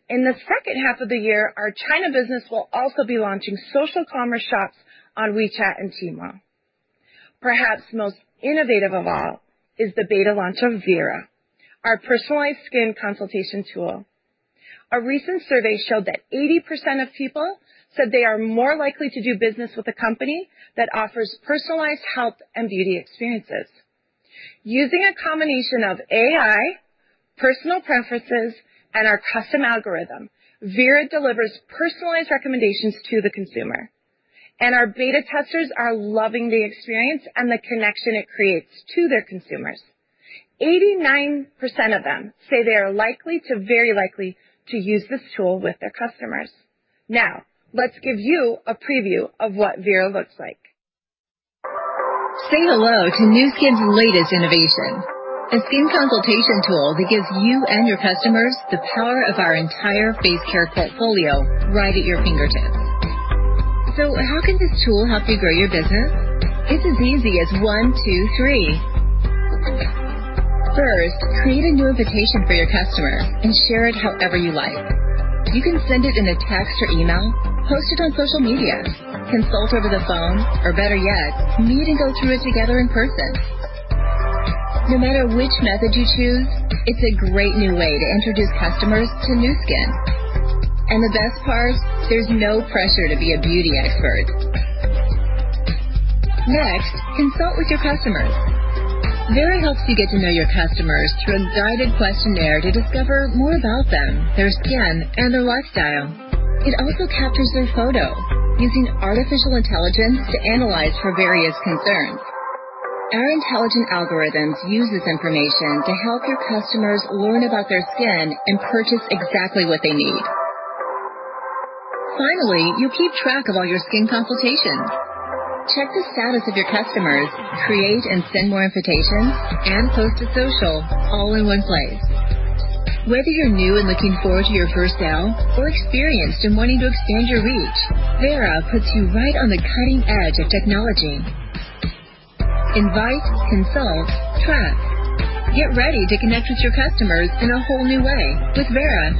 In the second half of the year, our China business will also be launching social commerce shops on WeChat and Tmall. Perhaps most innovative of all is the beta launch of Vera, our personalized skin consultation tool. A recent survey showed that 80% of people said they are more likely to do business with a company that offers personalized health and beauty experiences. Using a combination of AI, personal preferences, and our custom algorithm, Vera delivers personalized recommendations to the consumer. Our beta testers are loving the experience and the connection it creates to their consumers. 89% of them say they are likely to very likely to use this tool with their customers. Let's give you a preview of what Vera looks like. Say hello to Nu Skin's latest innovation, a skin consultation tool that gives you and your customers the power of our entire face care portfolio right at your fingertips. How can this tool help you grow your business? It's as easy as one, two, three. First, create a new invitation for your customer and share it however you like. You can send it in a text or email, post it on social media, consult over the phone, or better yet, meet and go through it together in person. No matter which method you choose, it's a great new way to introduce customers to Nu Skin. The best part, there's no pressure to be a beauty expert. Next, consult with your customers. Vera helps you get to know your customers through a guided questionnaire to discover more about them, their skin, and their lifestyle. It also captures their photo using artificial intelligence to analyze for various concerns. Our intelligent algorithms use this information to help your customers learn about their skin and purchase exactly what they need. Finally, you keep track of all your skin consultations. Check the status of your customers, create and send more invitations, and post to social all in one place. Whether you're new and looking forward to your first sale or experienced and wanting to expand your reach, Vera puts you right on the cutting edge of technology. Invite, consult, track. Get ready to connect with your customers in a whole new way with Vera.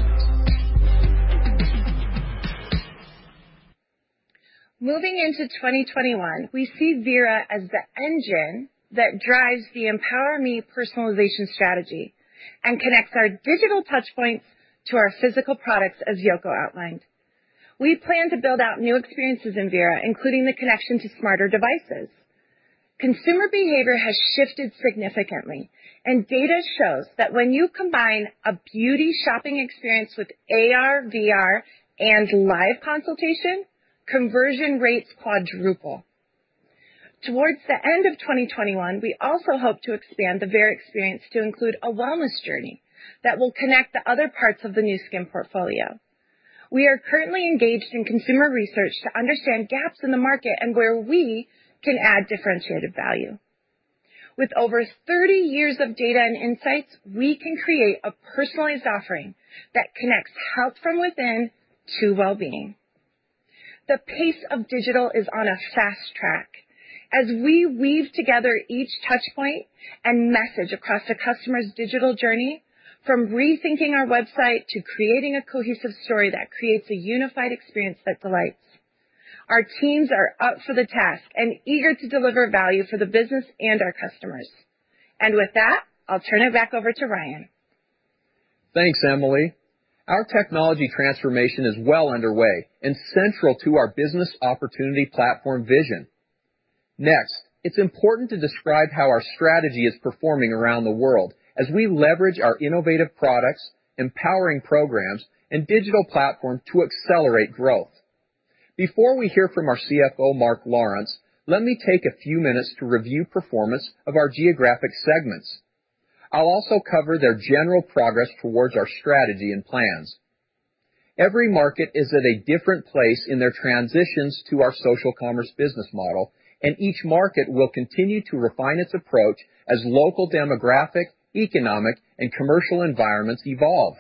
Moving into 2021, we see Vera as the engine that drives the EmpowerMe personalization strategy and connects our digital touchpoints to our physical products, as Yoko outlined. We plan to build out new experiences in Vera, including the connection to smarter devices. Consumer behavior has shifted significantly, and data shows that when you combine a beauty shopping experience with AR, VR, and live consultation, conversion rates quadruple. Towards the end of 2021, we also hope to expand the Vera experience to include a wellness journey that will connect to other parts of the Nu Skin portfolio. We are currently engaged in consumer research to understand gaps in the market and where we can add differentiated value. With over 30 years of data and insights, we can create a personalized offering that connects health from within to wellbeing. The pace of digital is on a fast track. As we weave together each touch point and message across the customer's digital journey, from rethinking our website to creating a cohesive story that creates a unified experience that delights. Our teams are up for the task and eager to deliver value for the business and our customers. With that, I'll turn it back over to Ryan. Thanks, Emily. Our technology transformation is well underway and central to our business opportunity platform vision. It's important to describe how our strategy is performing around the world as we leverage our innovative products, empowering programs, and digital platform to accelerate growth. Before we hear from our CFO, Mark Lawrence, let me take a few minutes to review performance of our geographic segments. I'll also cover their general progress towards our strategy and plans. Every market is at a different place in their transitions to our social commerce business model. Each market will continue to refine its approach as local demographic, economic, and commercial environments evolve.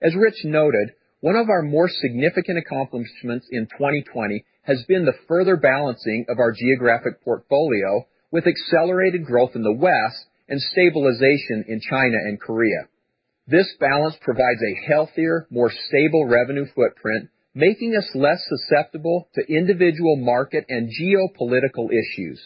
As Ritch noted, one of our more significant accomplishments in 2020 has been the further balancing of our geographic portfolio with accelerated growth in the West and stabilization in China and Korea. This balance provides a healthier, more stable revenue footprint, making us less susceptible to individual market and geopolitical issues.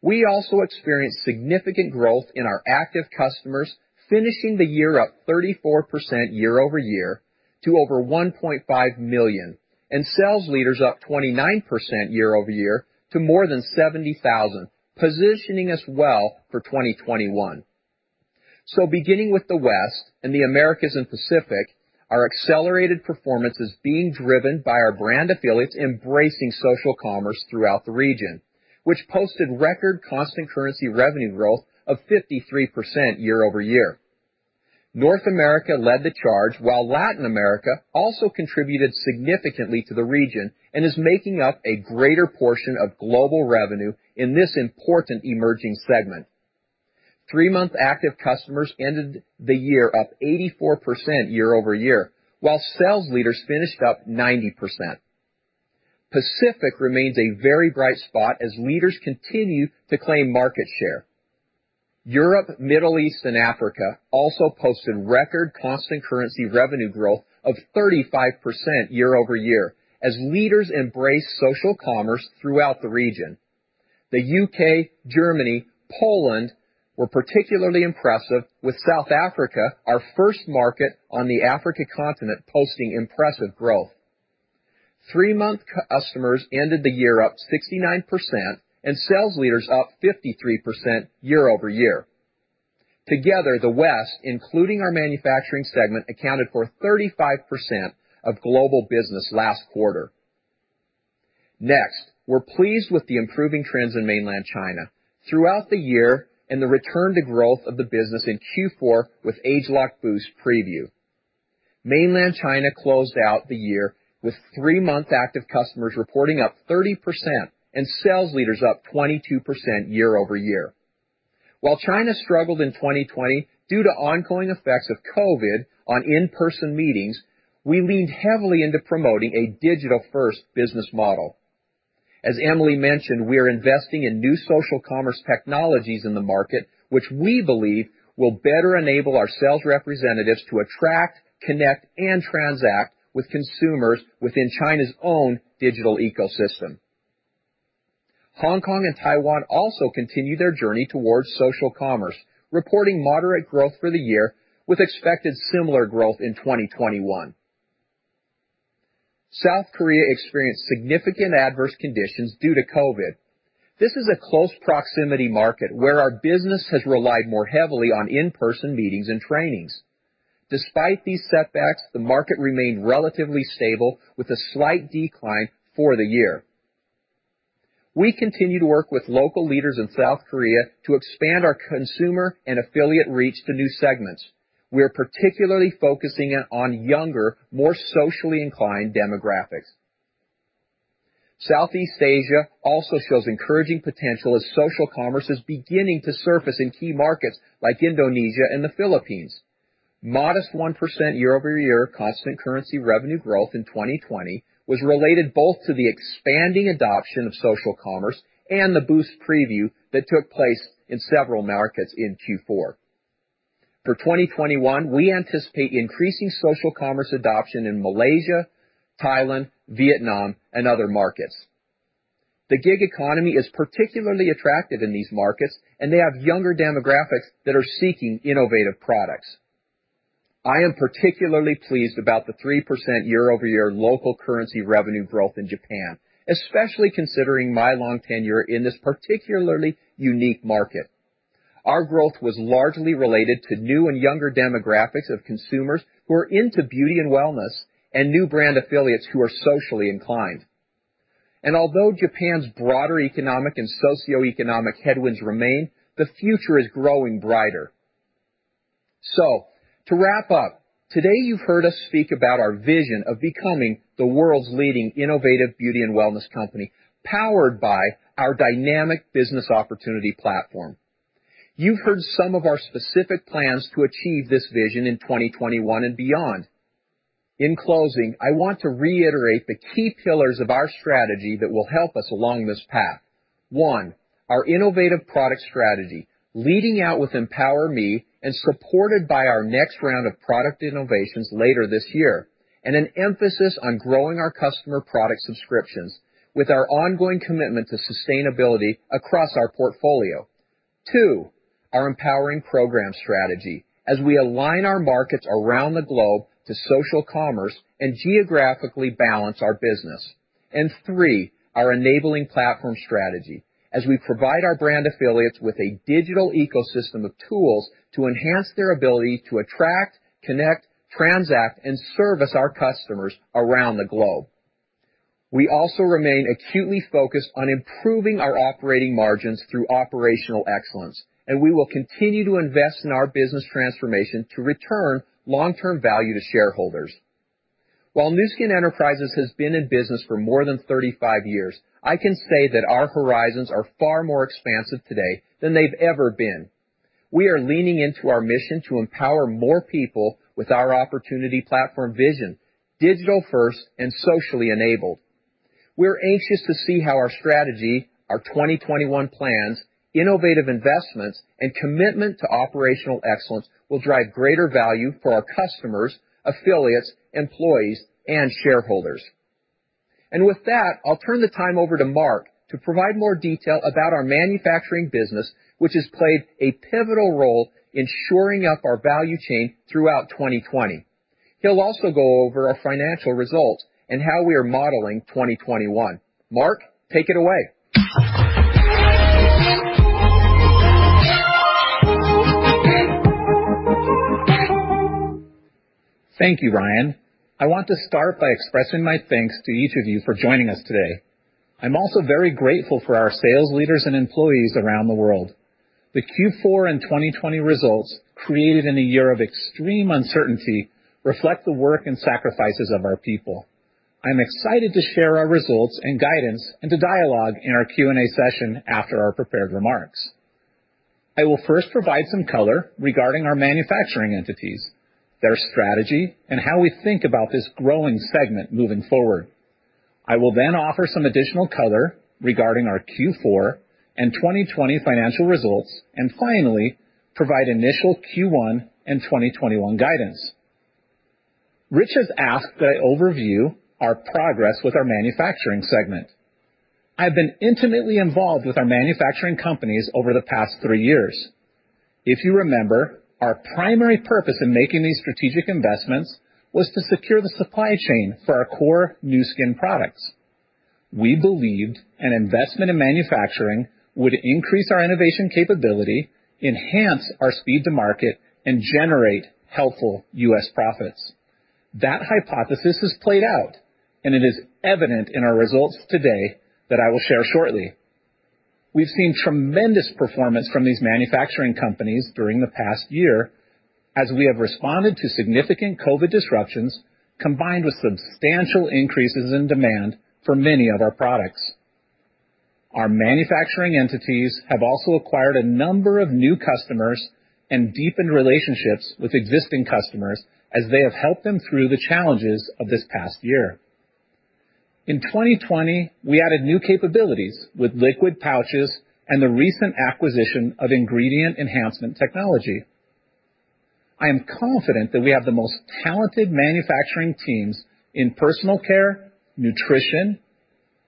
We also experienced significant growth in our active customers, finishing the year up 34% year-over-year to over 1.5 million, and sales leaders up 29% year-over-year to more than 70,000, positioning us well for 2021. Beginning with the West and the Americas and Pacific, our accelerated performance is being driven by our brand affiliates embracing social commerce throughout the region, which posted record constant currency revenue growth of 53% year-over-year. North America led the charge while Latin America also contributed significantly to the region and is making up a greater portion of global revenue in this important emerging segment. Three-month active customers ended the year up 84% year-over-year, while sales leaders finished up 90%. Pacific remains a very bright spot as leaders continue to claim market share. Europe, Middle East, and Africa also posted record constant currency revenue growth of 35% year-over-year as leaders embrace social commerce throughout the region. The U.K., Germany, Poland were particularly impressive, with South Africa, our first market on the Africa continent, posting impressive growth. Three-month customers ended the year up 69%, and sales leaders up 53% year-over-year. Together, the West, including our manufacturing segment, accounted for 35% of global business last quarter. We're pleased with the improving trends in mainland China throughout the year and the return to growth of the business in Q4 with ageLOC Boost preview. Mainland China closed out the year with three-month active customers reporting up 30% and sales leaders up 22% year-over-year. While China struggled in 2020 due to ongoing effects of COVID on in-person meetings, we leaned heavily into promoting a digital-first business model. As Emily mentioned, we are investing in new social commerce technologies in the market, which we believe will better enable our sales representatives to attract, connect, and transact with consumers within China's own digital ecosystem. Hong Kong and Taiwan also continue their journey towards social commerce, reporting moderate growth for the year with expected similar growth in 2021. South Korea experienced significant adverse conditions due to COVID. This is a close proximity market where our business has relied more heavily on in-person meetings and trainings. Despite these setbacks, the market remained relatively stable with a slight decline for the year. We continue to work with local leaders in South Korea to expand our consumer and affiliate reach to new segments. We are particularly focusing on younger, more socially inclined demographics. Southeast Asia also shows encouraging potential as social commerce is beginning to surface in key markets like Indonesia and the Philippines. Modest 1% year-over-year constant currency revenue growth in 2020 was related both to the expanding adoption of social commerce and the Boost preview that took place in several markets in Q4. For 2021, we anticipate increasing social commerce adoption in Malaysia, Thailand, Vietnam, and other markets. The gig economy is particularly attractive in these markets, and they have younger demographics that are seeking innovative products. I am particularly pleased about the 3% year-over-year local currency revenue growth in Japan, especially considering my long tenure in this particularly unique market. Our growth was largely related to new and younger demographics of consumers who are into beauty and wellness and new brand affiliates who are socially inclined. Although Japan's broader economic and socioeconomic headwinds remain, the future is growing brighter. To wrap up, today you've heard us speak about our vision of becoming the world's leading innovative beauty and wellness company, powered by our dynamic business opportunity platform. You've heard some of our specific plans to achieve this vision in 2021 and beyond. In closing, I want to reiterate the key pillars of our strategy that will help us along this path. One, our innovative product strategy, leading out with EmpowerMe and supported by our next round of product innovations later this year, and an emphasis on growing our customer product subscriptions with our ongoing commitment to sustainability across our portfolio. Two, our empowering program strategy as we align our markets around the globe to social commerce and geographically balance our business. Three, our enabling platform strategy as we provide our brand affiliates with a digital ecosystem of tools to enhance their ability to attract, connect, transact, and service our customers around the globe. We also remain acutely focused on improving our operating margins through operational excellence, and we will continue to invest in our business transformation to return long-term value to shareholders. While Nu Skin Enterprises has been in business for more than 35 years, I can say that our horizons are far more expansive today than they've ever been. We are leaning into our mission to empower more people with our opportunity platform vision, digital first and socially enabled. We're anxious to see how our strategy, our 2021 plans, innovative investments, and commitment to operational excellence will drive greater value for our customers, affiliates, employees, and shareholders. With that, I'll turn the time over to Mark to provide more detail about our manufacturing business, which has played a pivotal role in shoring up our value chain throughout 2020. He'll also go over our financial results and how we are modeling 2021. Mark, take it away. Thank you, Ryan. I want to start by expressing my thanks to each of you for joining us today. I'm also very grateful for our sales leaders and employees around the world. The Q4 and 2020 results, created in a year of extreme uncertainty, reflect the work and sacrifices of our people. I'm excited to share our results and guidance and to dialogue in our Q&A session after our prepared remarks. I will first provide some color regarding our manufacturing entities, their strategy, and how we think about this growing segment moving forward. I will then offer some additional color regarding our Q4 and 2020 financial results, and finally, provide initial Q1 and 2021 guidance. Ritch has asked that I overview our progress with our manufacturing segment. I've been intimately involved with our manufacturing companies over the past three years. If you remember, our primary purpose in making these strategic investments was to secure the supply chain for our core Nu Skin products. We believed an investment in manufacturing would increase our innovation capability, enhance our speed to market, and generate helpful U.S. profits. That hypothesis has played out, and it is evident in our results today that I will share shortly. We've seen tremendous performance from these manufacturing companies during the past year as we have responded to significant COVID disruptions, combined with substantial increases in demand for many of our products. Our manufacturing entities have also acquired a number of new customers and deepened relationships with existing customers as they have helped them through the challenges of this past year. In 2020, we added new capabilities with liquid pouches and the recent acquisition of ingredient enhancement technology. I am confident that we have the most talented manufacturing teams in personal care, nutrition,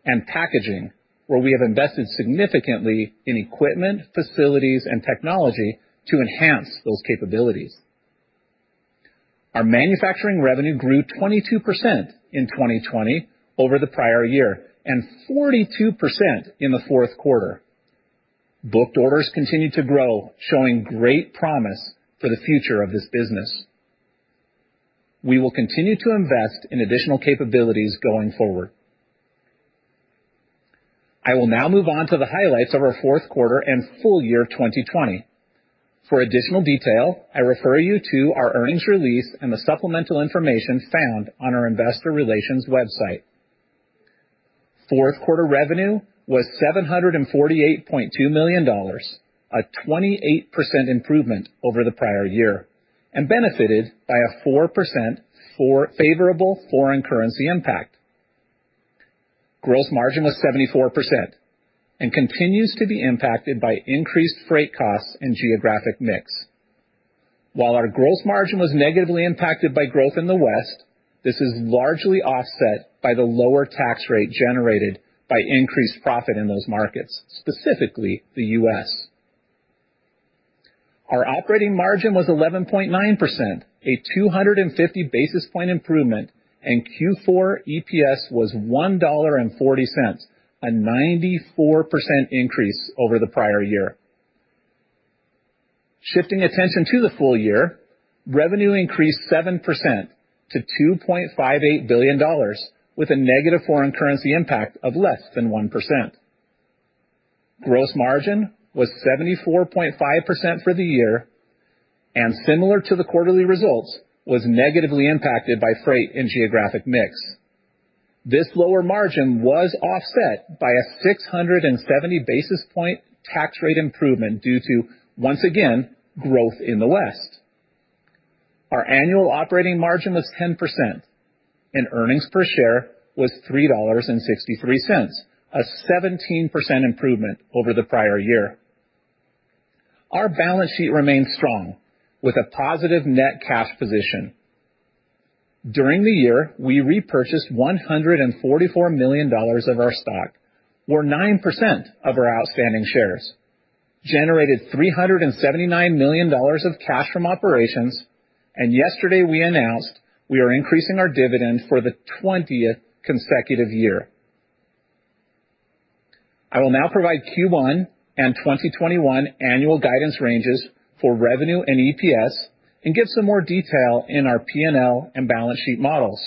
and packaging, where we have invested significantly in equipment, facilities, and technology to enhance those capabilities. Our manufacturing revenue grew 22% in 2020 over the prior year and 42% in the fourth quarter. Booked orders continued to grow, showing great promise for the future of this business. We will continue to invest in additional capabilities going forward. I will now move on to the highlights of our fourth quarter and full year 2020. For additional detail, I refer you to our earnings release and the supplemental information found on our investor relations website. Fourth quarter revenue was $748.2 million, a 28% improvement over the prior year, and benefited by a 4% favorable foreign currency impact. Gross margin was 74% and continues to be impacted by increased freight costs and geographic mix. While our gross margin was negatively impacted by growth in the West, this is largely offset by the lower tax rate generated by increased profit in those markets, specifically the U.S. Our operating margin was 11.9%, a 250 basis point improvement, and Q4 EPS was $1.40, a 94% increase over the prior year. Shifting attention to the full year, revenue increased 7% to $2.58 billion, with a negative foreign currency impact of less than 1%. Gross margin was 74.5% for the year and, similar to the quarterly results, was negatively impacted by freight and geographic mix. This lower margin was offset by a 670 basis point tax rate improvement due to, once again, growth in the West. Our annual operating margin was 10%, and earnings per share was $3.63, a 17% improvement over the prior year. Our balance sheet remains strong with a positive net cash position. During the year, we repurchased $144 million of our stock, or 9% of our outstanding shares, generated $379 million of cash from operations, and yesterday we announced we are increasing our dividends for the 20th consecutive year. I will now provide Q1 and 2021 annual guidance ranges for revenue and EPS and give some more detail in our P&L and balance sheet models.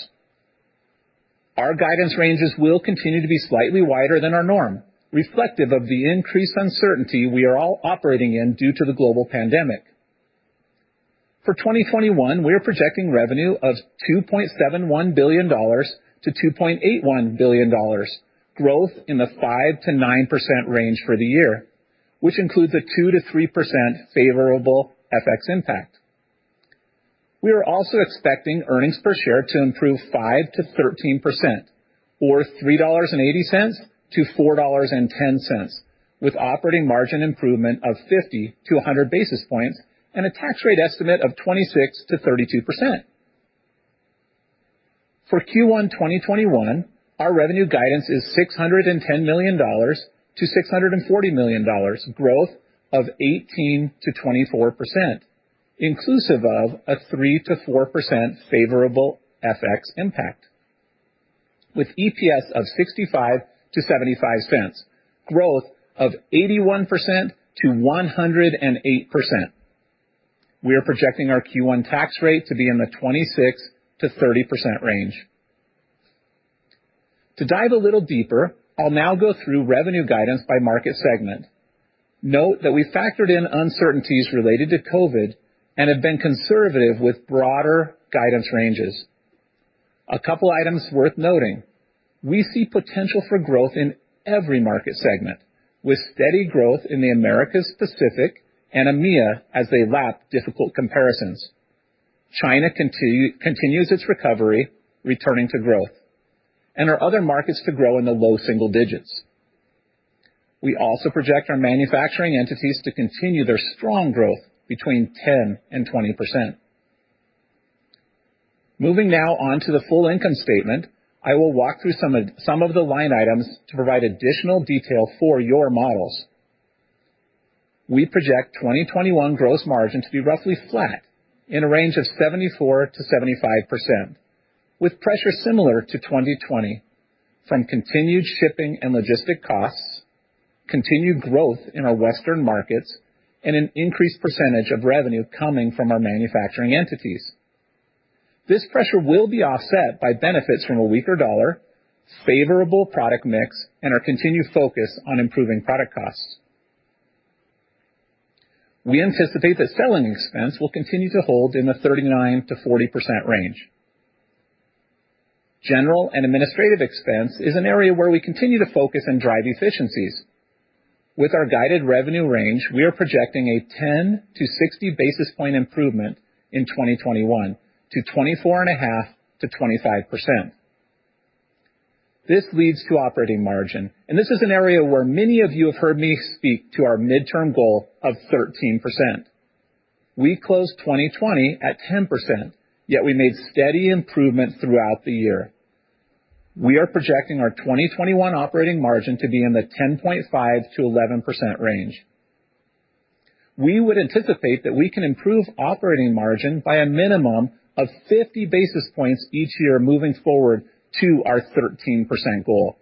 Our guidance ranges will continue to be slightly wider than our norm, reflective of the increased uncertainty we are all operating in due to the global pandemic. For 2021, we are projecting revenue of $2.71 billion-$2.81 billion, growth in the 5%-9% range for the year, which includes a 2%-3% favorable FX impact. We are also expecting earnings per share to improve 5%-13%, or $3.80-$4.10, with operating margin improvement of 50 basis points-100 basis points and a tax rate estimate of 26%-32%. For Q1 2021, our revenue guidance is $610 million-$640 million, growth of 18%-24%, inclusive of a 3%-4% favorable FX impact. With EPS of $0.65-$0.75, growth of 81%-108%. We are projecting our Q1 tax rate to be in the 26%-30% range. To dive a little deeper, I'll now go through revenue guidance by market segment. Note that we factored in uncertainties related to COVID and have been conservative with broader guidance ranges. A couple items worth noting. We see potential for growth in every market segment, with steady growth in the Americas, Pacific, and EMEA as they lap difficult comparisons. China continues its recovery, returning to growth, and our other markets to grow in the low single digits. We also project our manufacturing entities to continue their strong growth between 10% and 20%. Moving now on to the full income statement, I will walk through some of the line items to provide additional detail for your models. We project 2021 gross margin to be roughly flat in a range of 74%-75%, with pressure similar to 2020 from continued shipping and logistic costs, continued growth in our western markets, and an increased percentage of revenue coming from our manufacturing entities. This pressure will be offset by benefits from a weaker dollar, favorable product mix, and our continued focus on improving product costs. We anticipate that selling expense will continue to hold in the 39%-40% range. General and administrative expense is an area where we continue to focus and drive efficiencies. With our guided revenue range, we are projecting a 10 basis point-60 basis point improvement in 2021 to 24.5%-25%. This leads to operating margin, and this is an area where many of you have heard me speak to our midterm goal of 13%. We closed 2020 at 10%, yet we made steady improvement throughout the year. We are projecting our 2021 operating margin to be in the 10.5%-11% range. We would anticipate that we can improve operating margin by a minimum of 50 basis points each year moving forward to our 13% goal.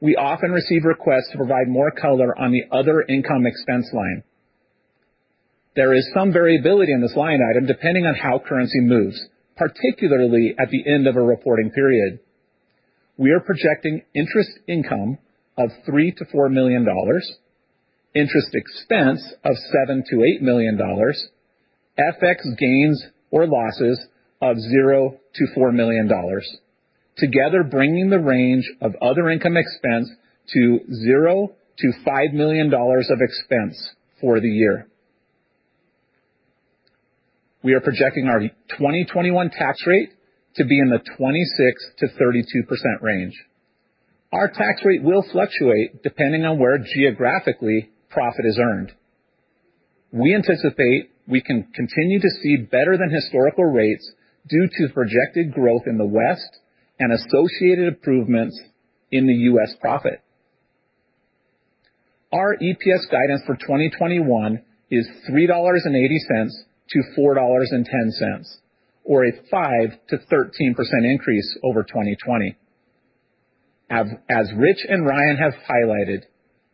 We often receive requests to provide more color on the other income expense line. There is some variability in this line item depending on how currency moves, particularly at the end of a reporting period. We are projecting interest income of $3 million-$4 million, interest expense of $7 million-$8 million, FX gains or losses of $0-$4 million, together bringing the range of other income expense to $0-$5 million of expense for the year. We are projecting our 2021 tax rate to be in the 26%-32% range. Our tax rate will fluctuate depending on where geographically profit is earned. We anticipate we can continue to see better than historical rates due to projected growth in the West and associated improvements in the U.S. profit. Our EPS guidance for 2021 is $3.80-$4.10, or a 5%-13% increase over 2020. As Ritch and Ryan have highlighted,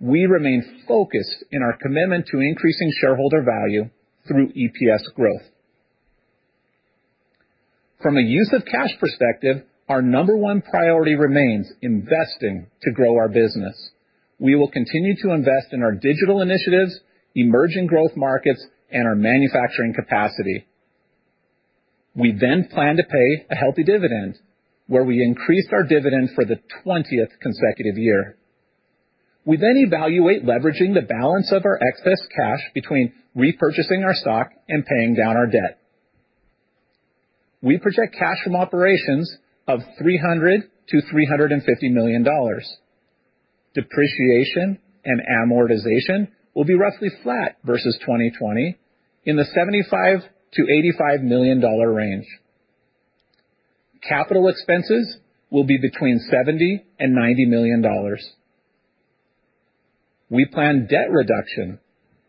we remain focused in our commitment to increasing shareholder value through EPS growth. From a use of cash perspective, our number one priority remains investing to grow our business. We will continue to invest in our digital initiatives, emerging growth markets, and our manufacturing capacity. We plan to pay a healthy dividend, where we increased our dividend for the 20th consecutive year. We evaluate leveraging the balance of our excess cash between repurchasing our stock and paying down our debt. We project cash from operations of $300 million-$350 million. Depreciation and amortization will be roughly flat versus 2020 in the $75 million-$85 million range. Capital expenses will be between $70 million and $90 million. We plan debt reduction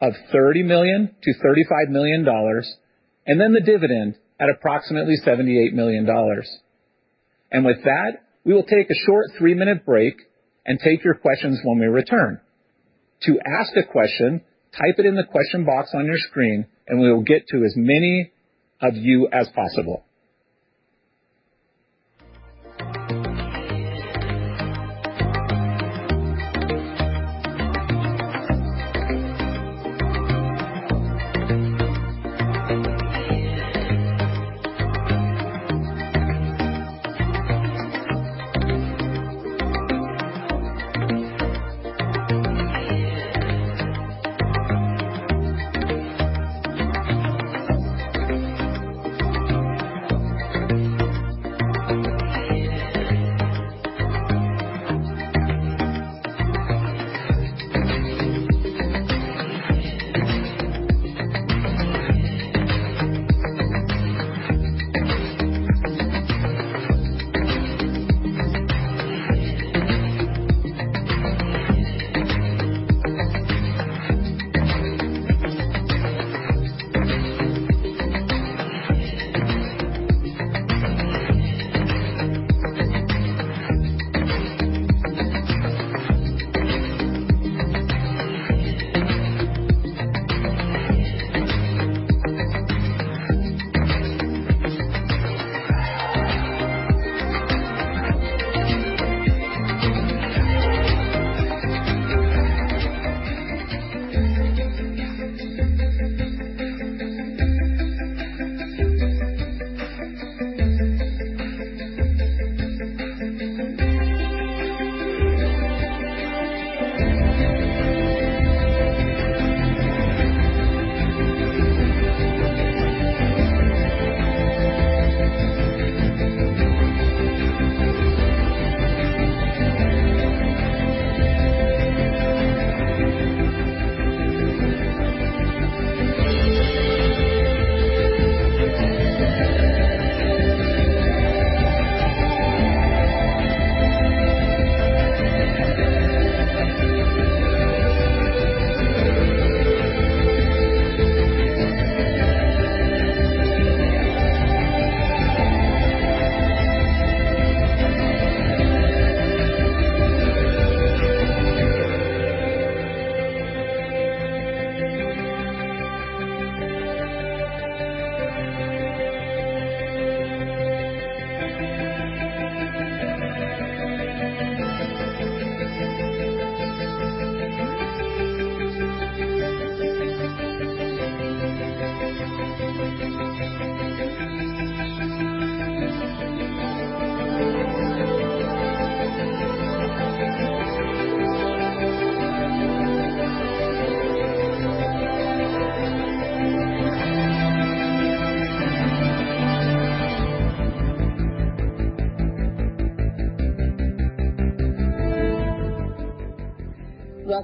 of $30 million-$35 million, and then the dividend at approximately $78 million. With that, we will take a short three-minute break and take your questions when we return. To ask a question, type it in the question box on your screen, and we will get to as many of you as possible.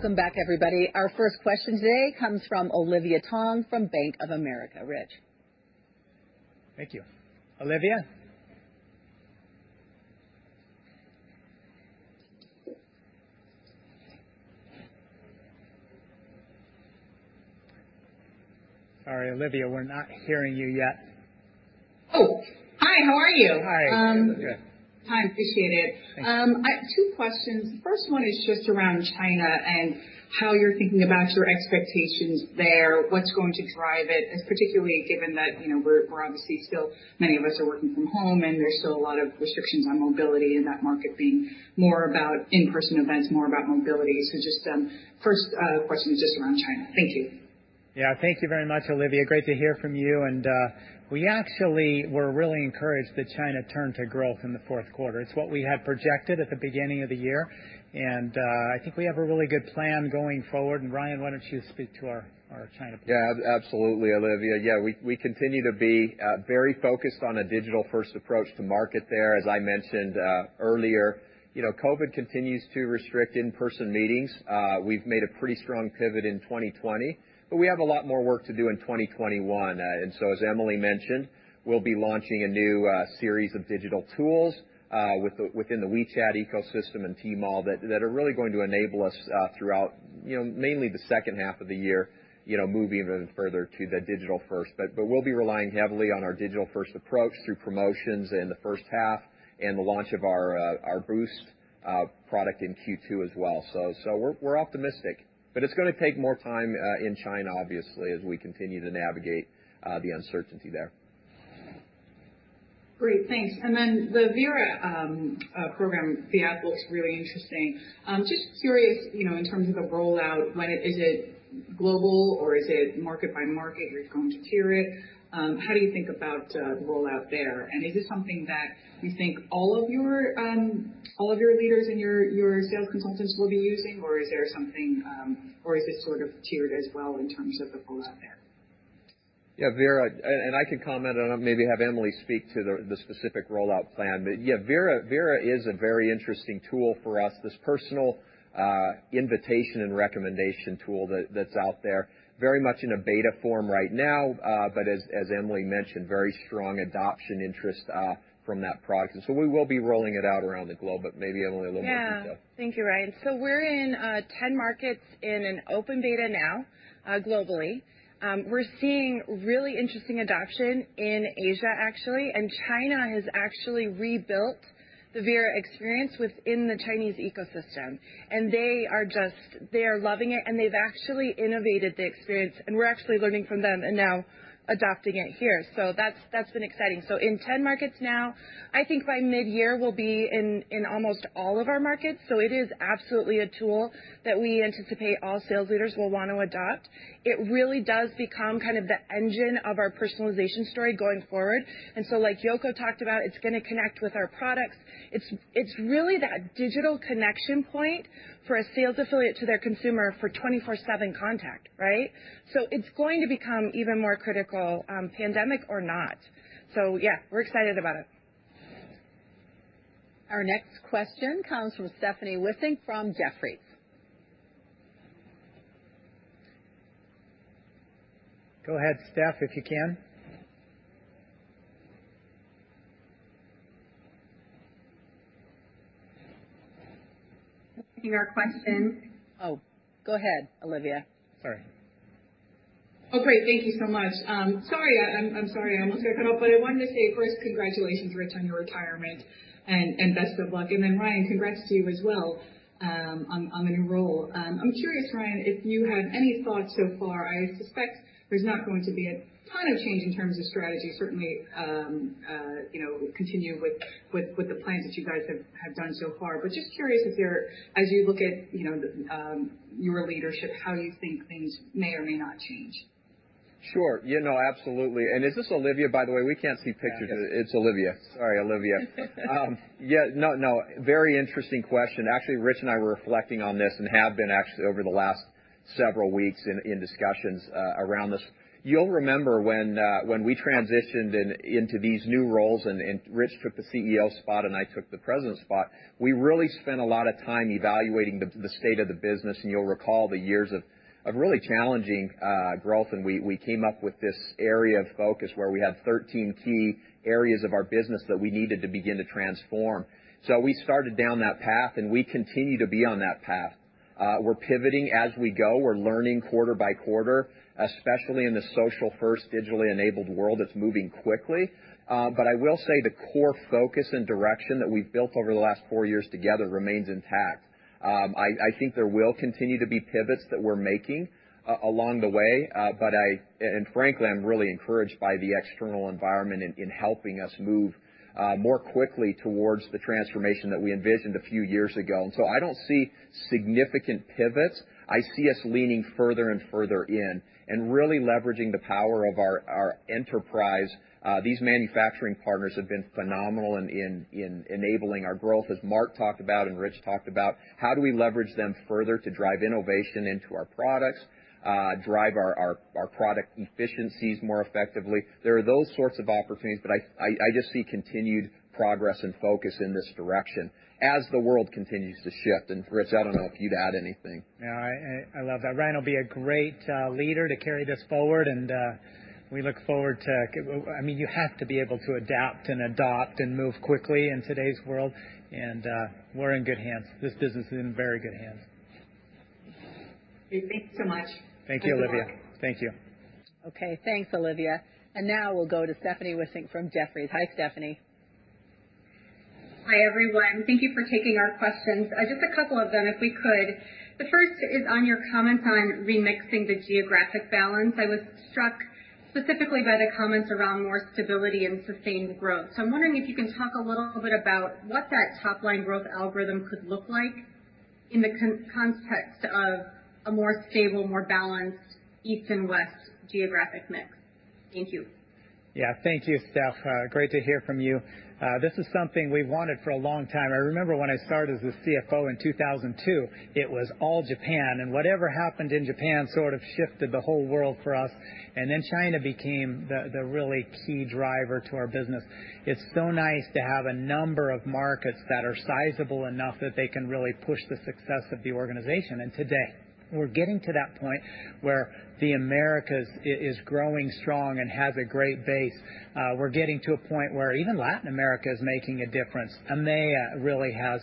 Welcome back, everybody. Our first question today comes from Olivia Tong from Bank of America. Ritch. Thank you. Olivia? Sorry, Olivia, we're not hearing you yet. Oh, hi. How are you? Hi. Hi, appreciate it. Thanks. I have two questions. The first one is just around China and how you're thinking about your expectations there, what's going to drive it, as particularly given that we're obviously still, many of us are working from home, and there's still a lot of restrictions on mobility in that market being more about in-person events, more about mobility. Just, first question is just around China. Thank you. Yeah. Thank you very much, Olivia. Great to hear from you. We actually were really encouraged that China turned to growth in the fourth quarter. It's what we had projected at the beginning of the year, and I think we have a really good plan going forward. Ryan, why don't you speak to our China plan? Yeah, absolutely, Olivia. Yeah, we continue to be very focused on a digital-first approach to market there. As I mentioned earlier, COVID continues to restrict in-person meetings. We've made a pretty strong pivot in 2020, but we have a lot more work to do in 2021. As Emily mentioned, we'll be launching a new series of digital tools within the WeChat ecosystem and Tmall that are really going to enable us throughout, mainly the second half of the year, moving even further to the digital first. We'll be relying heavily on our digital-first approach through promotions in the first half and the launch of our Boost product in Q2 as well. We're optimistic, but it's going to take more time in China, obviously, as we continue to navigate the uncertainty there. Great, thanks. The Vera program, the ad looks really interesting. Just curious, in terms of a rollout, is it global or is it market by market? Are you going to tier it? How do you think about rollout there? Is it something that you think all of your leaders and your sales consultants will be using, or is this sort of tiered as well in terms of the rollout there? Vera, and I can comment on it, maybe have Emily speak to the specific rollout plan. Vera is a very interesting tool for us. This personal invitation and recommendation tool that's out there, very much in a beta form right now. As Emily mentioned, very strong adoption interest from that product. We will be rolling it out around the globe, maybe Emily a little more detail. Thank you, Ryan. We're in 10 markets in an open beta now, globally. We're seeing really interesting adoption in Asia, actually. China has actually rebuilt the Vera experience within the Chinese ecosystem. They are just loving it. They've actually innovated the experience. We're actually learning from them and now adopting it here. That's been exciting. In 10 markets now, I think by mid-year, we'll be in almost all of our markets. It is absolutely a tool that we anticipate all sales leaders will want to adopt. It really does become kind of the engine of our personalization story going forward. Like Yoko talked about, it's going to connect with our products. It's really that digital connection point for a sales affiliate to their consumer for 24/7 contact, right? It's going to become even more critical, pandemic or not. Yeah, we're excited about it. Our next question comes from Stephanie Wissink from Jefferies. Go ahead, Steph, if you can. Oh, go ahead, Olivia. Sorry. Oh, great. Thank you so much. Sorry. I almost got cut off, but I wanted to say, first, congratulations, Ritch, on your retirement, and best of luck. Then Ryan, congrats to you as well, on the new role. I'm curious, Ryan, if you have any thoughts so far. I suspect there's not going to be a ton of change in terms of strategy, certainly, continue with the plans that you guys have done so far. Just curious if you're, as you look at your leadership, how you think things may or may not change. Sure. Yeah, no, absolutely. Is this Olivia, by the way? We can't see pictures. Yes. It's Olivia. Sorry, Olivia. Yeah, no, very interesting question. Actually, Ritch and I were reflecting on this and have been actually over the last several weeks in discussions around this. You'll remember when we transitioned into these new roles and Ritch took the CEO spot and I took the President spot, we really spent a lot of time evaluating the state of the business, and you'll recall the years of really challenging growth. We came up with this area of focus where we had 13 key areas of our business that we needed to begin to transform. We started down that path, and we continue to be on that path. We're pivoting as we go. We're learning quarter by quarter, especially in the social-first, digitally enabled world that's moving quickly. I will say the core focus and direction that we've built over the last four years together remains intact. I think there will continue to be pivots that we're making along the way, and frankly, I'm really encouraged by the external environment in helping us move more quickly towards the transformation that we envisioned a few years ago. I don't see significant pivots. I see us leaning further and further in and really leveraging the power of our enterprise. These manufacturing partners have been phenomenal in enabling our growth, as Mark talked about and Ritch talked about. How do we leverage them further to drive innovation into our products, drive our product efficiencies more effectively? There are those sorts of opportunities, but I just see continued progress and focus in this direction as the world continues to shift. Ritch, I don't know if you'd add anything. No, I love that. Ryan will be a great leader to carry this forward. You have to be able to adapt and adopt and move quickly in today's world. We're in good hands. This business is in very good hands. Great. Thanks so much. Thank you, Olivia. Thank you. Okay. Thanks, Olivia. Now we'll go to Stephanie Wissink from Jefferies. Hi, Stephanie. Hi, everyone. Thank you for taking our questions. Just a couple of them, if we could. The first is on your comment on remixing the geographic balance. I was struck specifically by the comments around more stability and sustained growth. I'm wondering if you can talk a little bit about what that top-line growth algorithm could look like in the context of a more stable, more balanced East and West geographic mix. Thank you. Yeah. Thank you, Steph. Great to hear from you. This is something we've wanted for a long time. I remember when I started as the CFO in 2002, it was all Japan, whatever happened in Japan sort of shifted the whole world for us. China became the really key driver to our business. It's so nice to have a number of markets that are sizable enough that they can really push the success of the organization. Today we're getting to that point where the Americas is growing strong and has a great base. We're getting to a point where even Latin America is making a difference. EMEA really has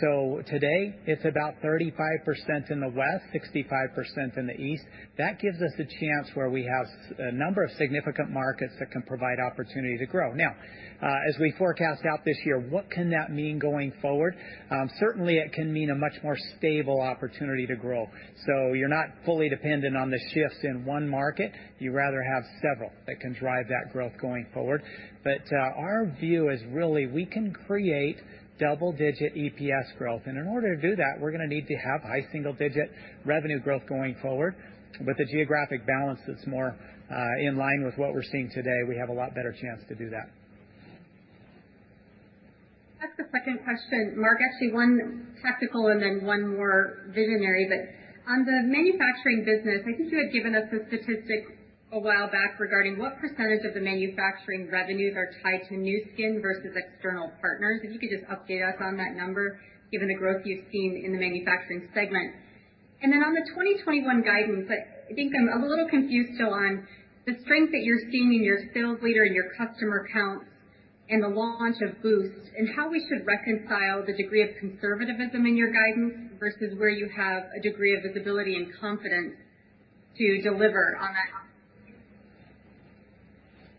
helped. Today it's about 35% in the West, 65% in the East. That gives us a chance where we have a number of significant markets that can provide opportunity to grow. Now, as we forecast out this year, what can that mean going forward? Certainly, it can mean a much more stable opportunity to grow. You're not fully dependent on the shift in one market. You rather have several that can drive that growth going forward. Our view is really we can create double-digit EPS growth, and in order to do that, we're going to need to have high single-digit revenue growth going forward. With a geographic balance that's more in line with what we're seeing today, we have a lot better chance to do that. I'll ask the second question, Mark, actually one tactical and then one more visionary. On the manufacturing business, I think you had given us a statistic a while back regarding what percentage of the manufacturing revenues are tied to Nu Skin versus external partners. If you could just update us on that number, given the growth you've seen in the manufacturing segment. On the 2021 guidance, I think I'm a little confused still on the strength that you're seeing in your sales leader and your customer counts and the launch of Boost and how we should reconcile the degree of conservativism in your guidance versus where you have a degree of visibility and confidence to deliver on that.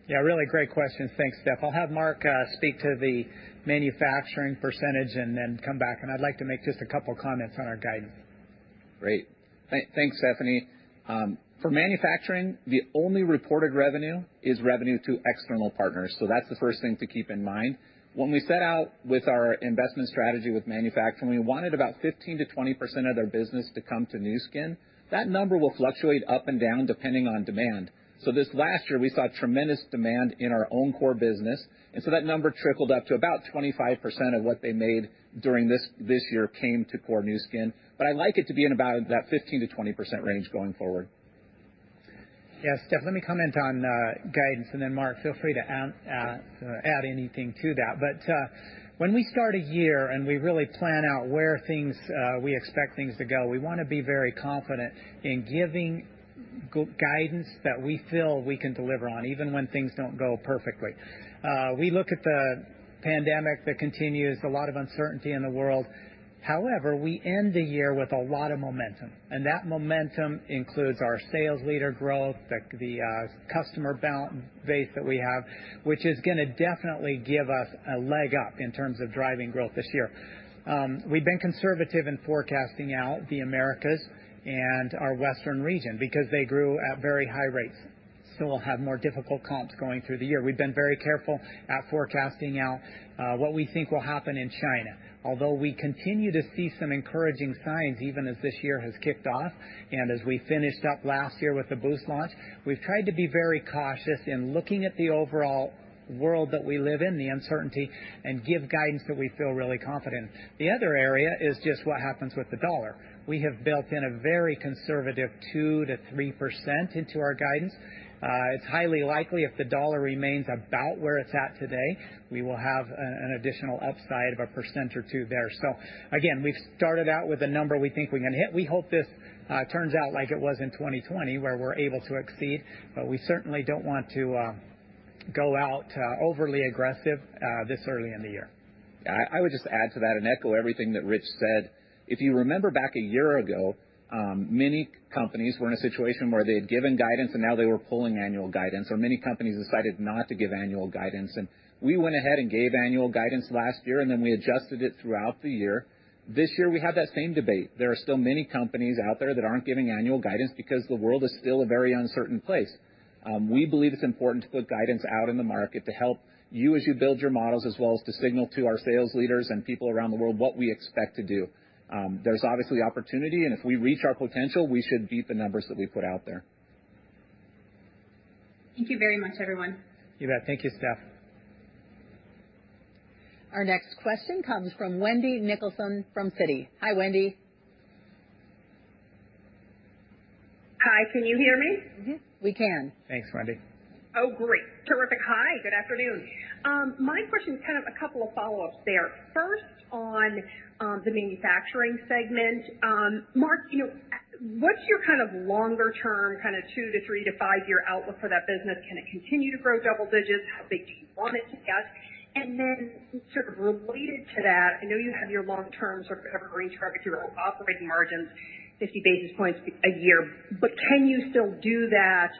Yeah, really great questions. Thanks, Steph. I'll have Mark speak to the manufacturing percentage and then come back, and I'd like to make just a couple comments on our guidance. Great. Thanks, Stephanie. For manufacturing, the only reported revenue is revenue to external partners. That's the first thing to keep in mind. When we set out with our investment strategy with manufacturing, we wanted about 15%-20% of their business to come to Nu Skin. That number will fluctuate up and down depending on demand. This last year, we saw tremendous demand in our own core business, that number trickled up to about 25% of what they made during this year came to core Nu Skin. I'd like it to be in about that 15%-20% range going forward. Yes, Steph, let me comment on guidance. Then Mark, feel free to add anything to that. When we start a year and we really plan out where we expect things to go, we want to be very confident in giving guidance that we feel we can deliver on, even when things don't go perfectly. We look at the pandemic that continues, a lot of uncertainty in the world. However, we end the year with a lot of momentum. That momentum includes our sales leader growth, the customer base that we have, which is going to definitely give us a leg up in terms of driving growth this year. We've been conservative in forecasting out the Americas and our Western region because they grew at very high rates. Still have more difficult comps going through the year. We've been very careful at forecasting out what we think will happen in China. Although we continue to see some encouraging signs, even as this year has kicked off, and as we finished up last year with the Boost launch, we've tried to be very cautious in looking at the overall world that we live in, the uncertainty, and give guidance that we feel really confident. The other area is just what happens with the dollar. We have built in a very conservative 2%-3% into our guidance. It's highly likely if the dollar remains about where it's at today, we will have an additional upside of a percent or two there. Again, we've started out with a number we think we can hit. We hope this turns out like it was in 2020, where we're able to exceed, but we certainly don't want to go out overly aggressive this early in the year. I would just add to that and echo everything that Ritch said. If you remember back a year ago, many companies were in a situation where they had given guidance and now they were pulling annual guidance, or many companies decided not to give annual guidance, and we went ahead and gave annual guidance last year, and then we adjusted it throughout the year. This year, we had that same debate. There are still many companies out there that aren't giving annual guidance because the world is still a very uncertain place. We believe it's important to put guidance out in the market to help you as you build your models, as well as to signal to our sales leaders and people around the world what we expect to do. There's obviously opportunity, and if we reach our potential, we should beat the numbers that we put out there. Thank you very much, everyone. You bet. Thank you, Steph. Our next question comes from Wendy Nicholson from Citi. Hi, Wendy. Hi, can you hear me? We can. Thanks, Wendy. Oh, great. Terrific. Hi, good afternoon. My question is kind of a couple of follow-ups there. First, on the manufacturing segment, Mark, what's your kind of longer term, kind of two to three to five-year outlook for that business? Can it continue to grow double digits? How big do you want it to get? Then, sort of related to that, I know you have your long-term sort of upper range target to your operating margins, 50 basis points a year, but can you still do that,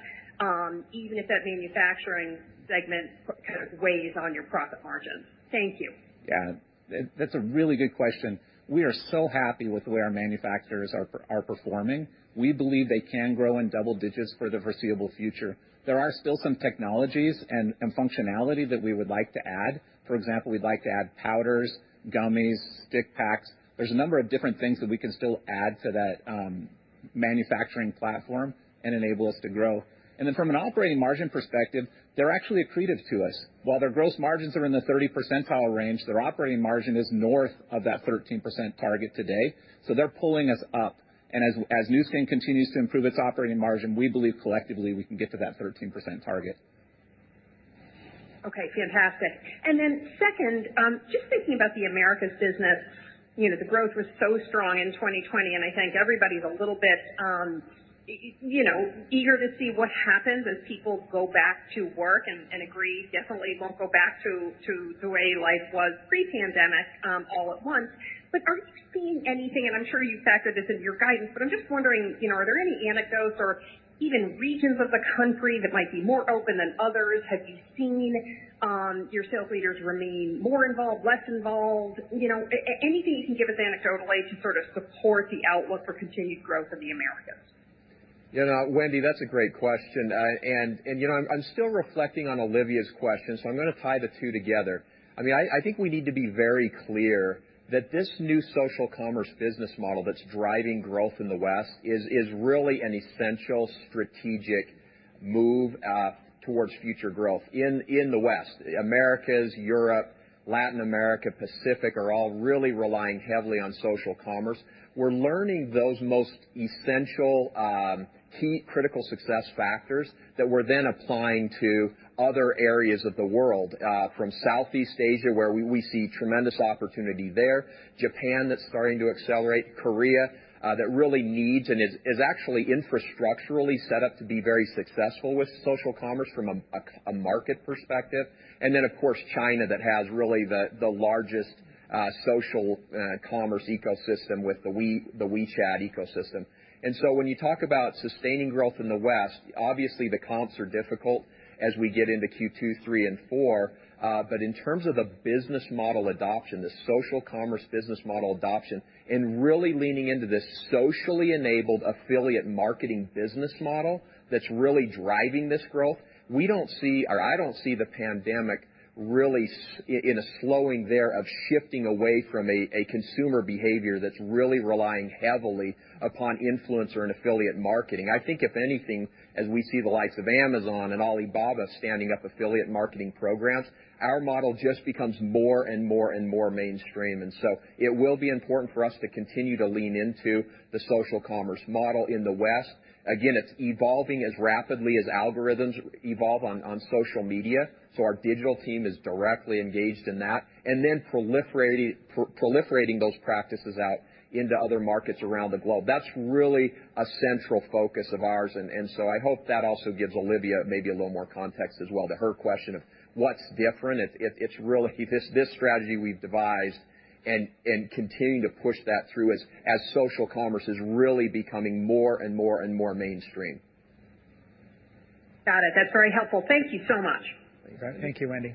even if that manufacturing segment kind of weighs on your profit margins? Thank you. Yeah, that's a really good question. We are so happy with the way our manufacturers are performing. We believe they can grow in double digits for the foreseeable future. There are still some technologies and functionality that we would like to add. For example, we'd like to add powders, gummies, stick packs. There's a number of different things that we can still add to that manufacturing platform and enable us to grow. From an operating margin perspective, they're actually accretive to us. While their gross margins are in the 30% range, their operating margin is north of that 13% target today, so they're pulling us up. As Nu Skin continues to improve its operating margin, we believe collectively we can get to that 13% target. Okay, fantastic. Second, just thinking about the Americas business, the growth was so strong in 2020, and I think everybody's a little bit eager to see what happens as people go back to work and agree, definitely won't go back to the way life was pre-pandemic all at once. Are you seeing anything, and I'm sure you've factored this into your guidance, but I'm just wondering, are there any anecdotes or even regions of the country that might be more open than others? Have you seen your sales leaders remain more involved, less involved? Anything you can give us anecdotally to sort of support the outlook for continued growth in the Americas? Wendy, that's a great question. I'm still reflecting on Olivia's question, so I'm going to tie the two together. I think we need to be very clear that this new social commerce business model that's driving growth in the West is really an essential strategic move towards future growth in the West. Americas, Europe, Latin America, Pacific are all really relying heavily on social commerce. We're learning those most essential, key critical success factors that we're then applying to other areas of the world, from Southeast Asia, where we see tremendous opportunity there, Japan that's starting to accelerate, Korea, that really needs and is actually infrastructurally set up to be very successful with social commerce from a market perspective, and then, of course, China that has really the largest social commerce ecosystem with the WeChat ecosystem. When you talk about sustaining growth in the West, obviously the comps are difficult as we get into Q2, Q3, and Q4, but in terms of the business model adoption, the social commerce business model adoption, and really leaning into this socially enabled affiliate marketing business model that's really driving this growth, we don't see, or I don't see the pandemic really in a slowing there of shifting away from a consumer behavior that's really relying heavily upon influencer and affiliate marketing. I think, if anything, as we see the likes of Amazon and Alibaba standing up affiliate marketing programs, our model just becomes more and more mainstream. It will be important for us to continue to lean into the social commerce model in the West. Again, it's evolving as rapidly as algorithms evolve on social media. Our digital team is directly engaged in that, proliferating those practices out into other markets around the globe. That's really a central focus of ours. I hope that also gives Olivia maybe a little more context as well to her question of what's different. It's really this strategy we've devised and continuing to push that through as social commerce is really becoming more and more mainstream. Got it. That's very helpful. Thank you so much. You bet. Thank you, Wendy.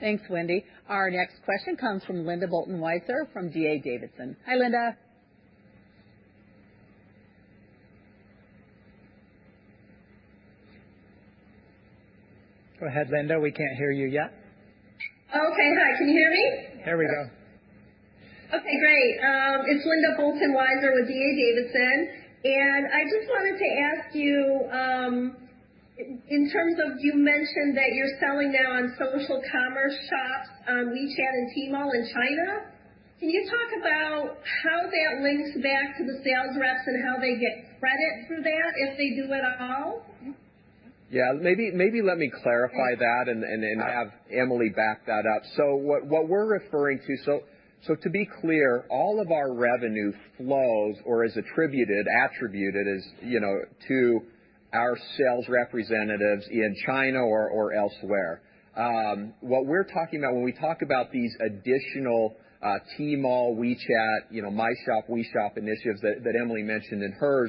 Thanks, Wendy. Our next question comes from Linda Bolton Weiser from D.A. Davidson. Hi, Linda. Go ahead, Linda. We can't hear you yet. Okay. Hi, can you hear me? There we go. Okay, great. It's Linda Bolton Weiser with D.A. Davidson. I just wanted to ask you, in terms of you mentioned that you're selling now on social commerce shops on WeChat and Tmall in China. Can you talk about how that links back to the sales reps and how they get credit for that, if they do at all? Yeah. Maybe let me clarify that and have Emily back that up. What we're referring to be clear, all of our revenue flows or is attributed, as you know, to our sales representatives in China or elsewhere. What we're talking about when we talk about these additional Tmall, WeChat, My Shop, We Shop initiatives that Emily mentioned in her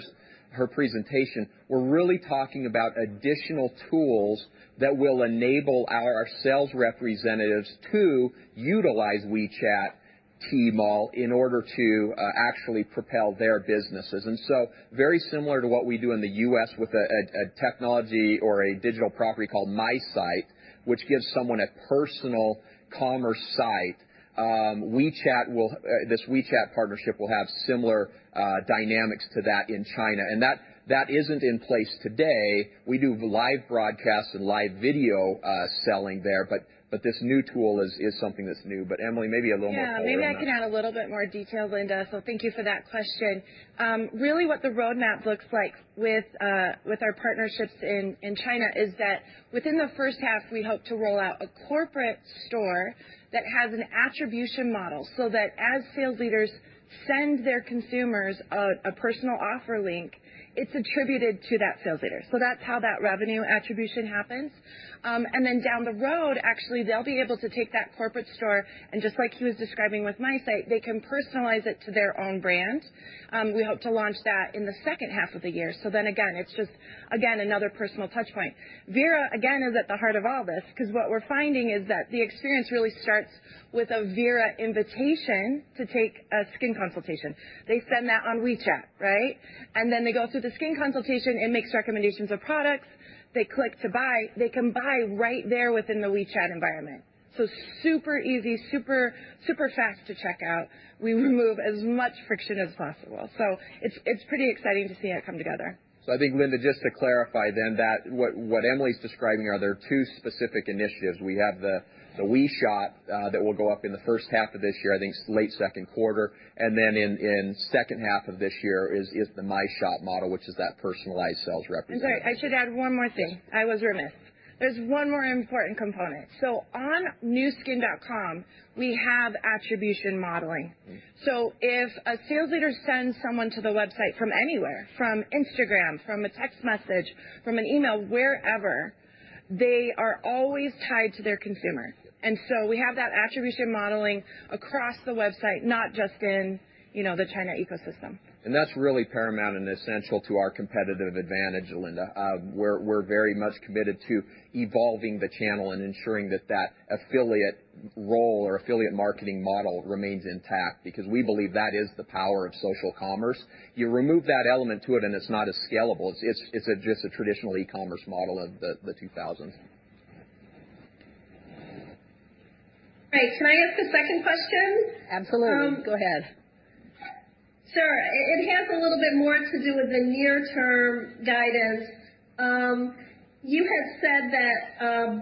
presentation, we're really talking about additional tools that will enable our sales representatives to utilize WeChat, Tmall in order to actually propel their businesses. Very similar to what we do in the U.S. with a technology or a digital property called MySite, which gives someone a personal commerce site. This WeChat partnership will have similar dynamics to that in China, that isn't in place today. We do live broadcasts and live video selling there, this new tool is something that's new. Emily, maybe a little more color on that. Maybe I can add a little bit more detail, Linda, thank you for that question. Really what the roadmap looks like with our partnerships in China is that within the first half, we hope to roll out a corporate store that has an attribution model, so that as sales leaders send their consumers a personal offer link, it's attributed to that sales leader. That's how that revenue attribution happens. Down the road, actually, they'll be able to take that corporate store, and just like he was describing with MySite, they can personalize it to their own brand. We hope to launch that in the second half of the year. Again, it's just, again, another personal touch point. Vera, again, is at the heart of all this because what we're finding is that the experience really starts with a Vera invitation to take a skin consultation. They send that on WeChat, right? They go through the skin consultation, it makes recommendations of products. They click to buy. They can buy right there within the WeChat environment. Super easy, super fast to check out. We remove as much friction as possible. It's pretty exciting to see it come together. I think, Linda, just to clarify then that what Emily's describing are there are two specific initiatives. We have the We Shop that will go up in the first half of this year, I think late second quarter. Then in second half of this year is the My Shop model, which is that personalized sales representative. I'm sorry. I should add one more thing. I was remiss. There's one more important component. On nuskin.com, we have attribution modeling. If a sales leader sends someone to the website from anywhere, from Instagram, from a text message, from an email, wherever, they are always tied to their consumer. We have that attribution modeling across the website, not just in the China ecosystem. That's really paramount and essential to our competitive advantage, Linda. We're very much committed to evolving the channel and ensuring that that affiliate role or affiliate marketing model remains intact because we believe that is the power of social commerce. You remove that element to it and it's not as scalable. It's just a traditional e-commerce model of the 2000s. Great. Can I ask a second question? Absolutely. Go ahead. Sure. It has a little bit more to do with the near term guidance. You had said that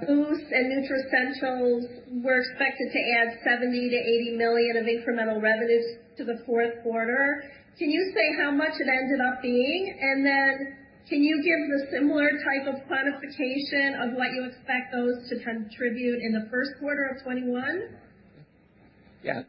Boost and Nutricentials were expected to add $70 million-$80 million of incremental revenues to the fourth quarter. Can you say how much it ended up being? Then can you give the similar type of quantification of what you expect those to contribute in the first quarter of 2021? Yeah.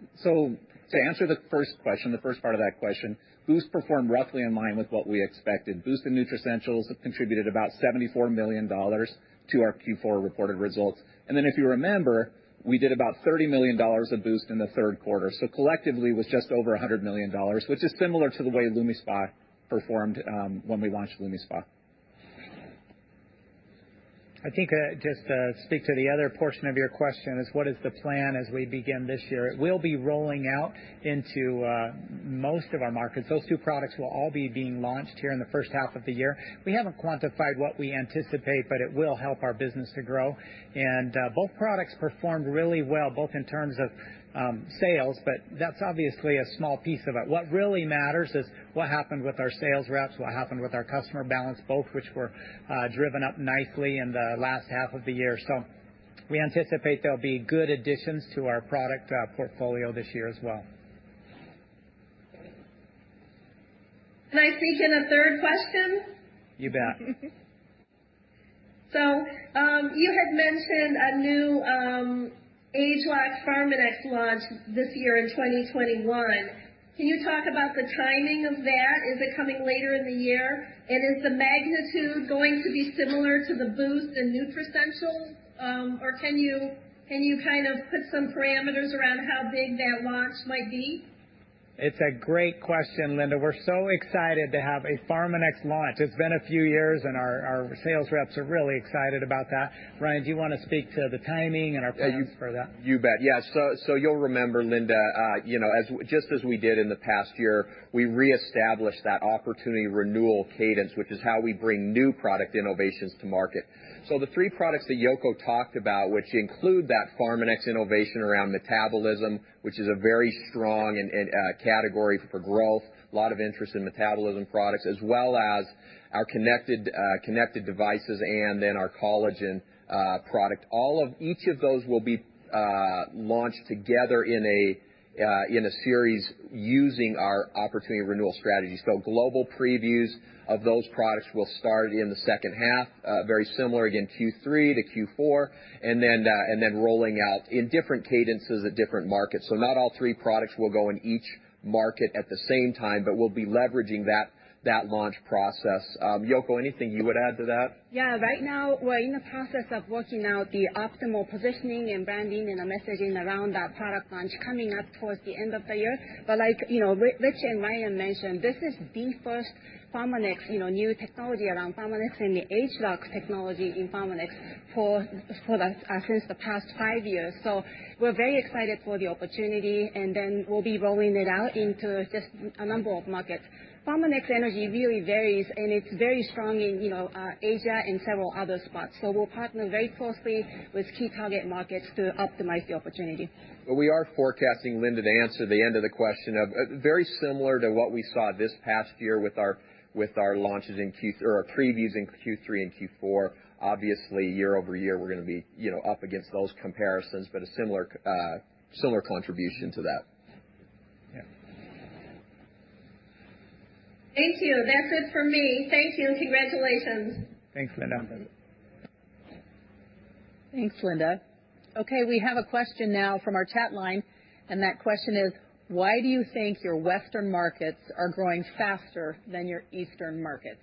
To answer the first question, the first part of that question, Boost performed roughly in line with what we expected. Boost and Nutricentials have contributed about $74 million to our Q4 reported results. If you remember, we did about $30 million of Boost in the third quarter. Collectively it was just over $100 million, which is similar to the way LumiSpa performed when we launched LumiSpa. I think just to speak to the other portion of your question is what is the plan as we begin this year? It will be rolling out into most of our markets. Those two products will all be being launched here in the first half of the year. We haven't quantified what we anticipate, it will help our business to grow. Both products performed really well, both in terms of sales, but that's obviously a small piece of it. What really matters is what happened with our sales reps, what happened with our customer balance, both which were driven up nicely in the last half of the year. We anticipate they'll be good additions to our product portfolio this year as well. Can I sneak in a third question? You bet. You had mentioned a new ageLOC Pharmanex launch this year in 2021. Can you talk about the timing of that? Is it coming later in the year? Is the magnitude going to be similar to the Boost and Nutricentials? Can you put some parameters around how big that launch might be? It's a great question, Linda. We're so excited to have a Pharmanex launch. It's been a few years. Our sales reps are really excited about that. Ryan, do you want to speak to the timing and our plans for that? You bet. Yeah. You'll remember, Linda, just as we did in the past year, we reestablished that opportunity renewal cadence, which is how we bring new product innovations to market. The three products that Yoko talked about, which include that Pharmanex innovation around metabolism, which is a very strong category for growth, a lot of interest in metabolism products, as well as our connected devices, and then our collagen product. Each of those will be launched together in a series using our opportunity renewal strategy. Global previews of those products will start in the second half, very similar again, Q3 to Q4, and then rolling out in different cadences at different markets. Not all three products will go in each market at the same time, but we'll be leveraging that launch process. Yoko, anything you would add to that? Yeah. Right now, we're in the process of working out the optimal positioning and branding and the messaging around that product launch coming up towards the end of the year. Like Ritch and Ryan mentioned, this is the first Pharmanex, new technology around Pharmanex and the ageLOC technology in Pharmanex since the past five years. We're very excited for the opportunity, we'll be rolling it out into just a number of markets. Pharmanex energy really varies, and it's very strong in Asia and several other spots. We'll partner very closely with key target markets to optimize the opportunity. We are forecasting, Linda, to answer the end of the question, very similar to what we saw this past year with our previews in Q3 and Q4. Obviously, year-over-year, we're going to be up against those comparisons, but a similar contribution to that. Yeah. Thank you. That's it from me. Thank you, and congratulations. Thanks, Linda. Thanks, Linda. Okay, we have a question now from our chat line, and that question is, "Why do you think your Western markets are growing faster than your Eastern markets?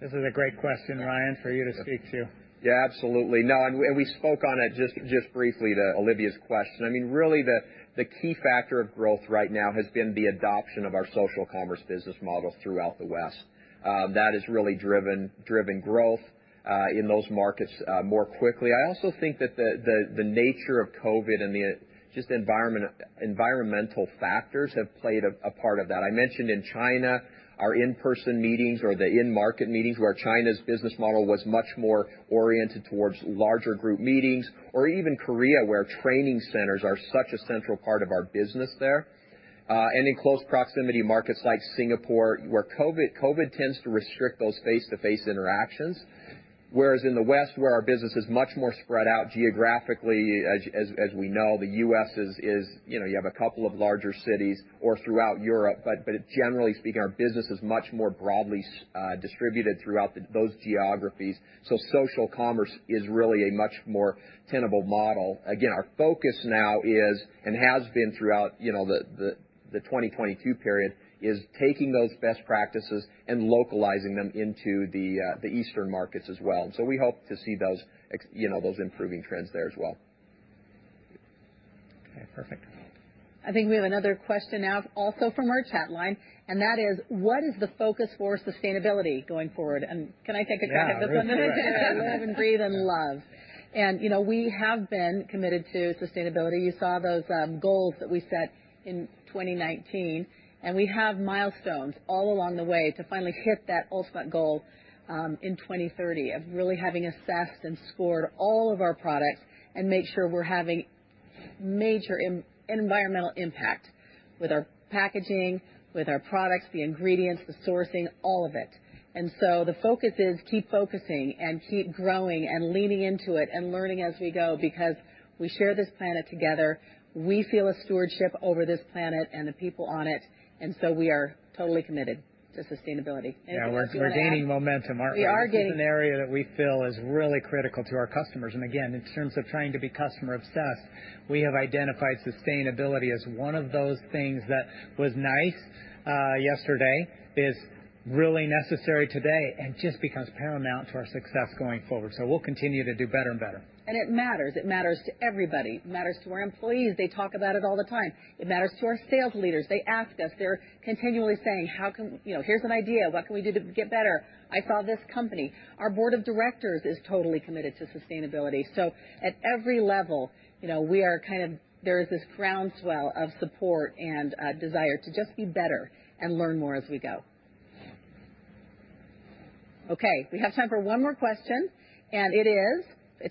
This is a great question, Ryan, for you to speak to. Yeah, absolutely. No, we spoke on it just briefly to Olivia's question. Really, the key factor of growth right now has been the adoption of our social commerce business model throughout the West. That has really driven growth in those markets more quickly. I also think that the nature of COVID and just the environmental factors have played a part of that. I mentioned in China, our in-person meetings or the in-market meetings, where China's business model was much more oriented towards larger group meetings, or even Korea, where training centers are such a central part of our business there. In close proximity markets like Singapore, where COVID tends to restrict those face-to-face interactions, whereas in the West, where our business is much more spread out geographically, as we know, the U.S. is, you have a couple of larger cities or throughout Europe, but generally speaking, our business is much more broadly distributed throughout those geographies. Social commerce is really a much more tenable model. Again, our focus now is and has been throughout, the 2022 period, is taking those best practices and localizing them into the Eastern markets as well. We hope to see those improving trends there as well. Okay, perfect. I think we have another question now also from our chat line, and that is, "What is the focus for sustainability going forward?" Can I take a crack at this one? Yeah. Go for it. Live and breathe and love. We have been committed to sustainability. You saw those goals that we set in 2019, we have milestones all along the way to finally hit that ultimate goal, in 2030 of really having assessed and scored all of our products and made sure we're having major environmental impact with our packaging, with our products, the ingredients, the sourcing, all of it. The focus is keep focusing and keep growing and leaning into it and learning as we go, because we share this planet together. We feel a stewardship over this planet and the people on it, we are totally committed to sustainability. If there's more to add. Yeah, we're gaining momentum, aren't we? We are gaining. This is an area that we feel is really critical to our customers. Again, in terms of trying to be customer obsessed, we have identified sustainability as one of those things that was nice yesterday, is really necessary today, and just becomes paramount to our success going forward. We'll continue to do better and better. It matters. It matters to everybody. It matters to our employees. They talk about it all the time. It matters to our sales leaders. They ask us, they're continually saying, "Here's an idea. What can we do to get better? I saw this company." Our board of directors is totally committed to sustainability. At every level, there is this ground swell of support and desire to just be better and learn more as we go. Okay, we have time for one more question. It is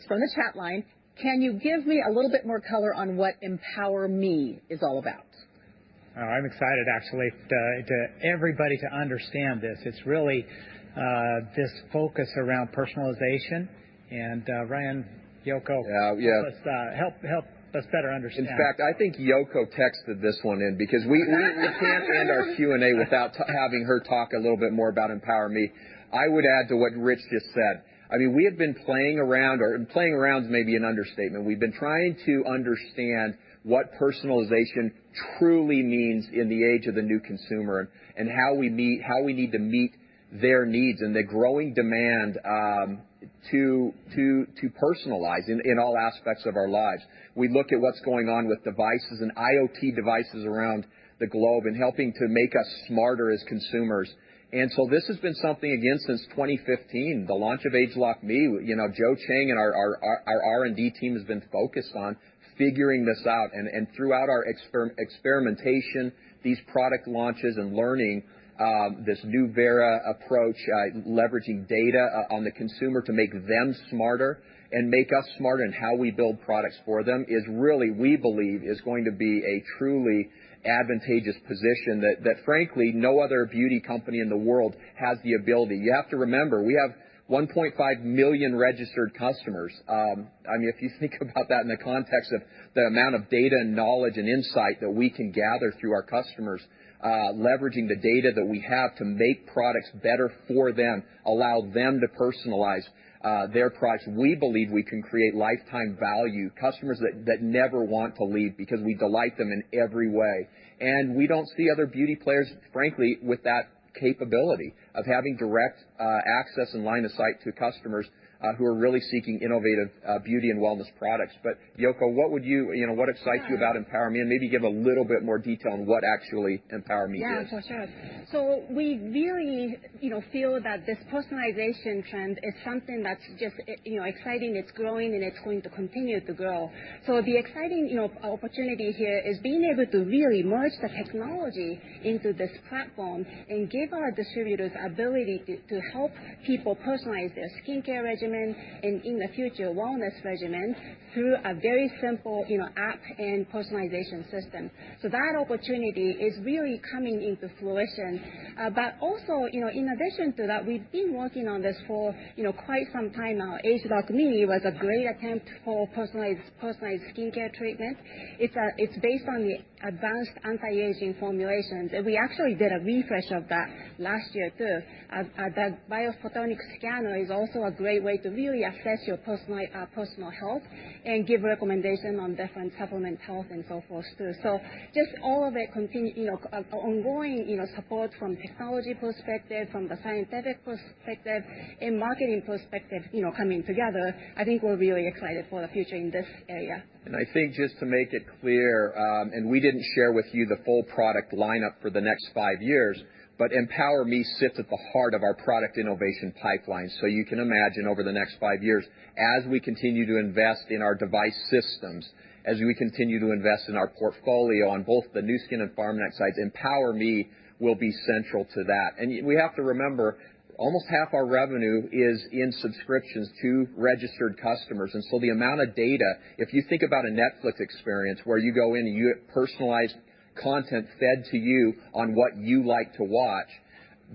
from the chat line. "Can you give me a little bit more color on what EmpowerMe is all about? Oh, I'm excited actually to everybody to understand this. It's really this focus around personalization and Ryan, Yoko, help us better understand. In fact, I think Yoko texted this one in because we can't end our Q&A without having her talk a little bit more about EmpowerMe. I would add to what Ritch just said. We have been playing around, or playing around is maybe an understatement. We've been trying to understand what personalization truly means in the age of the new consumer and how we need to meet their needs and the growing demand to personalize in all aspects of our lives. We look at what's going on with devices and IoT devices around the globe and helping to make us smarter as consumers. This has been something, again, since 2015, the launch of ageLOC Me. Joe Chang and our R&D team has been focused on figuring this out. Throughout our experimentation, these product launches, and learning this Nu Skin Vera approach, leveraging data on the consumer to make them smarter and make us smarter in how we build products for them is really, we believe, is going to be a truly advantageous position that frankly, no other beauty company in the world has the ability. You have to remember, we have 1.5 million registered customers. If you think about that in the context of the amount of data and knowledge and insight that we can gather through our customers, leveraging the data that we have to make products better for them, allow them to personalize their products, we believe we can create lifetime value, customers that never want to leave because we delight them in every way. We don't see other beauty players, frankly, with that capability of having direct access and line of sight to customers who are really seeking innovative beauty and wellness products. Yoko, what excites you about EmpowerMe, and maybe give a little bit more detail on what actually EmpowerMe is. Yeah, for sure. We really feel that this personalization trend is something that's just exciting, it's growing, and it's going to continue to grow. The exciting opportunity here is being able to really merge the technology into this platform and give our distributors ability to help people personalize their skincare regimen and in the future, wellness regimen, through a very simple app and personalization system. That opportunity is really coming into fruition. Also, in addition to that, we've been working on this for quite some time now. ageLOC Me was a great attempt for personalized skincare treatment. It's based on the advanced anti-aging formulations, and we actually did a refresh of that last year, too. The BioPhotonic Scanner is also a great way to really assess your personal health and give recommendation on different supplement health and so forth, too. Just all of the ongoing support from technology perspective, from a scientific perspective, and marketing perspective coming together, I think we're really excited for the future in this area. I think just to make it clear, we didn't share with you the full product lineup for the next five years, but EmpowerMe sits at the heart of our product innovation pipeline. You can imagine over the next five years, as we continue to invest in our device systems, as we continue to invest in our portfolio on both the Nu Skin and Pharmanex sides, EmpowerMe will be central to that. We have to remember, almost half our revenue is in subscriptions to registered customers. The amount of data, if you think about a Netflix experience where you go in and you get personalized content fed to you on what you like to watch,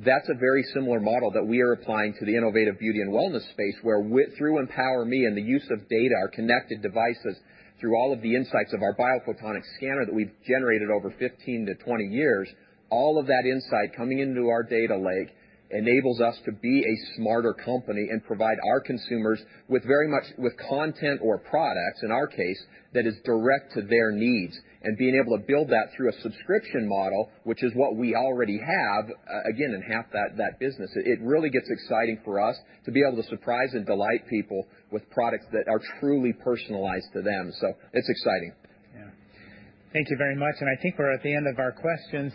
that's a very similar model that we are applying to the innovative beauty and wellness space where through EmpowerMe and the use of data, our connected devices, through all of the insights of our BioPhotonic Scanner that we've generated over 15-20 years, all of that insight coming into our data lake enables us to be a smarter company and provide our consumers with content or products, in our case, that is direct to their needs. Being able to build that through a subscription model, which is what we already have, again, in half that business, it really gets exciting for us to be able to surprise and delight people with products that are truly personalized to them. It's exciting. Thank you very much. I think we're at the end of our questions.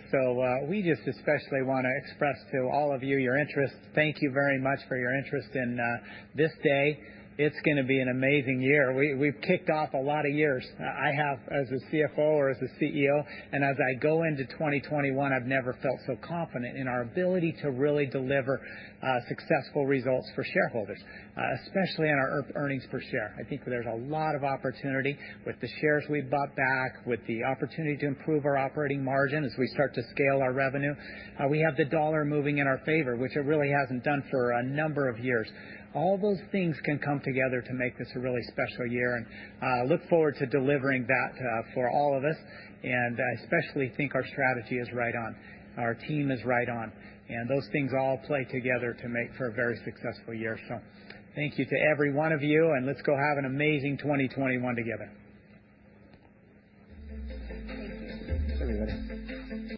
We just especially want to express to all of you your interest. Thank you very much for your interest in this day. It's going to be an amazing year. We've kicked off a lot of years. I have as a CFO or as a CEO. As I go into 2021, I've never felt so confident in our ability to really deliver successful results for shareholders, especially on our earnings per share. I think there's a lot of opportunity with the shares we bought back, with the opportunity to improve our operating margin as we start to scale our revenue. We have the dollar moving in our favor, which it really hasn't done for a number of years. All those things can come together to make this a really special year. I look forward to delivering that for all of us. I especially think our strategy is right on, our team is right on, and those things all play together to make for a very successful year. Thank you to every one of you, and let's go have an amazing 2021 together.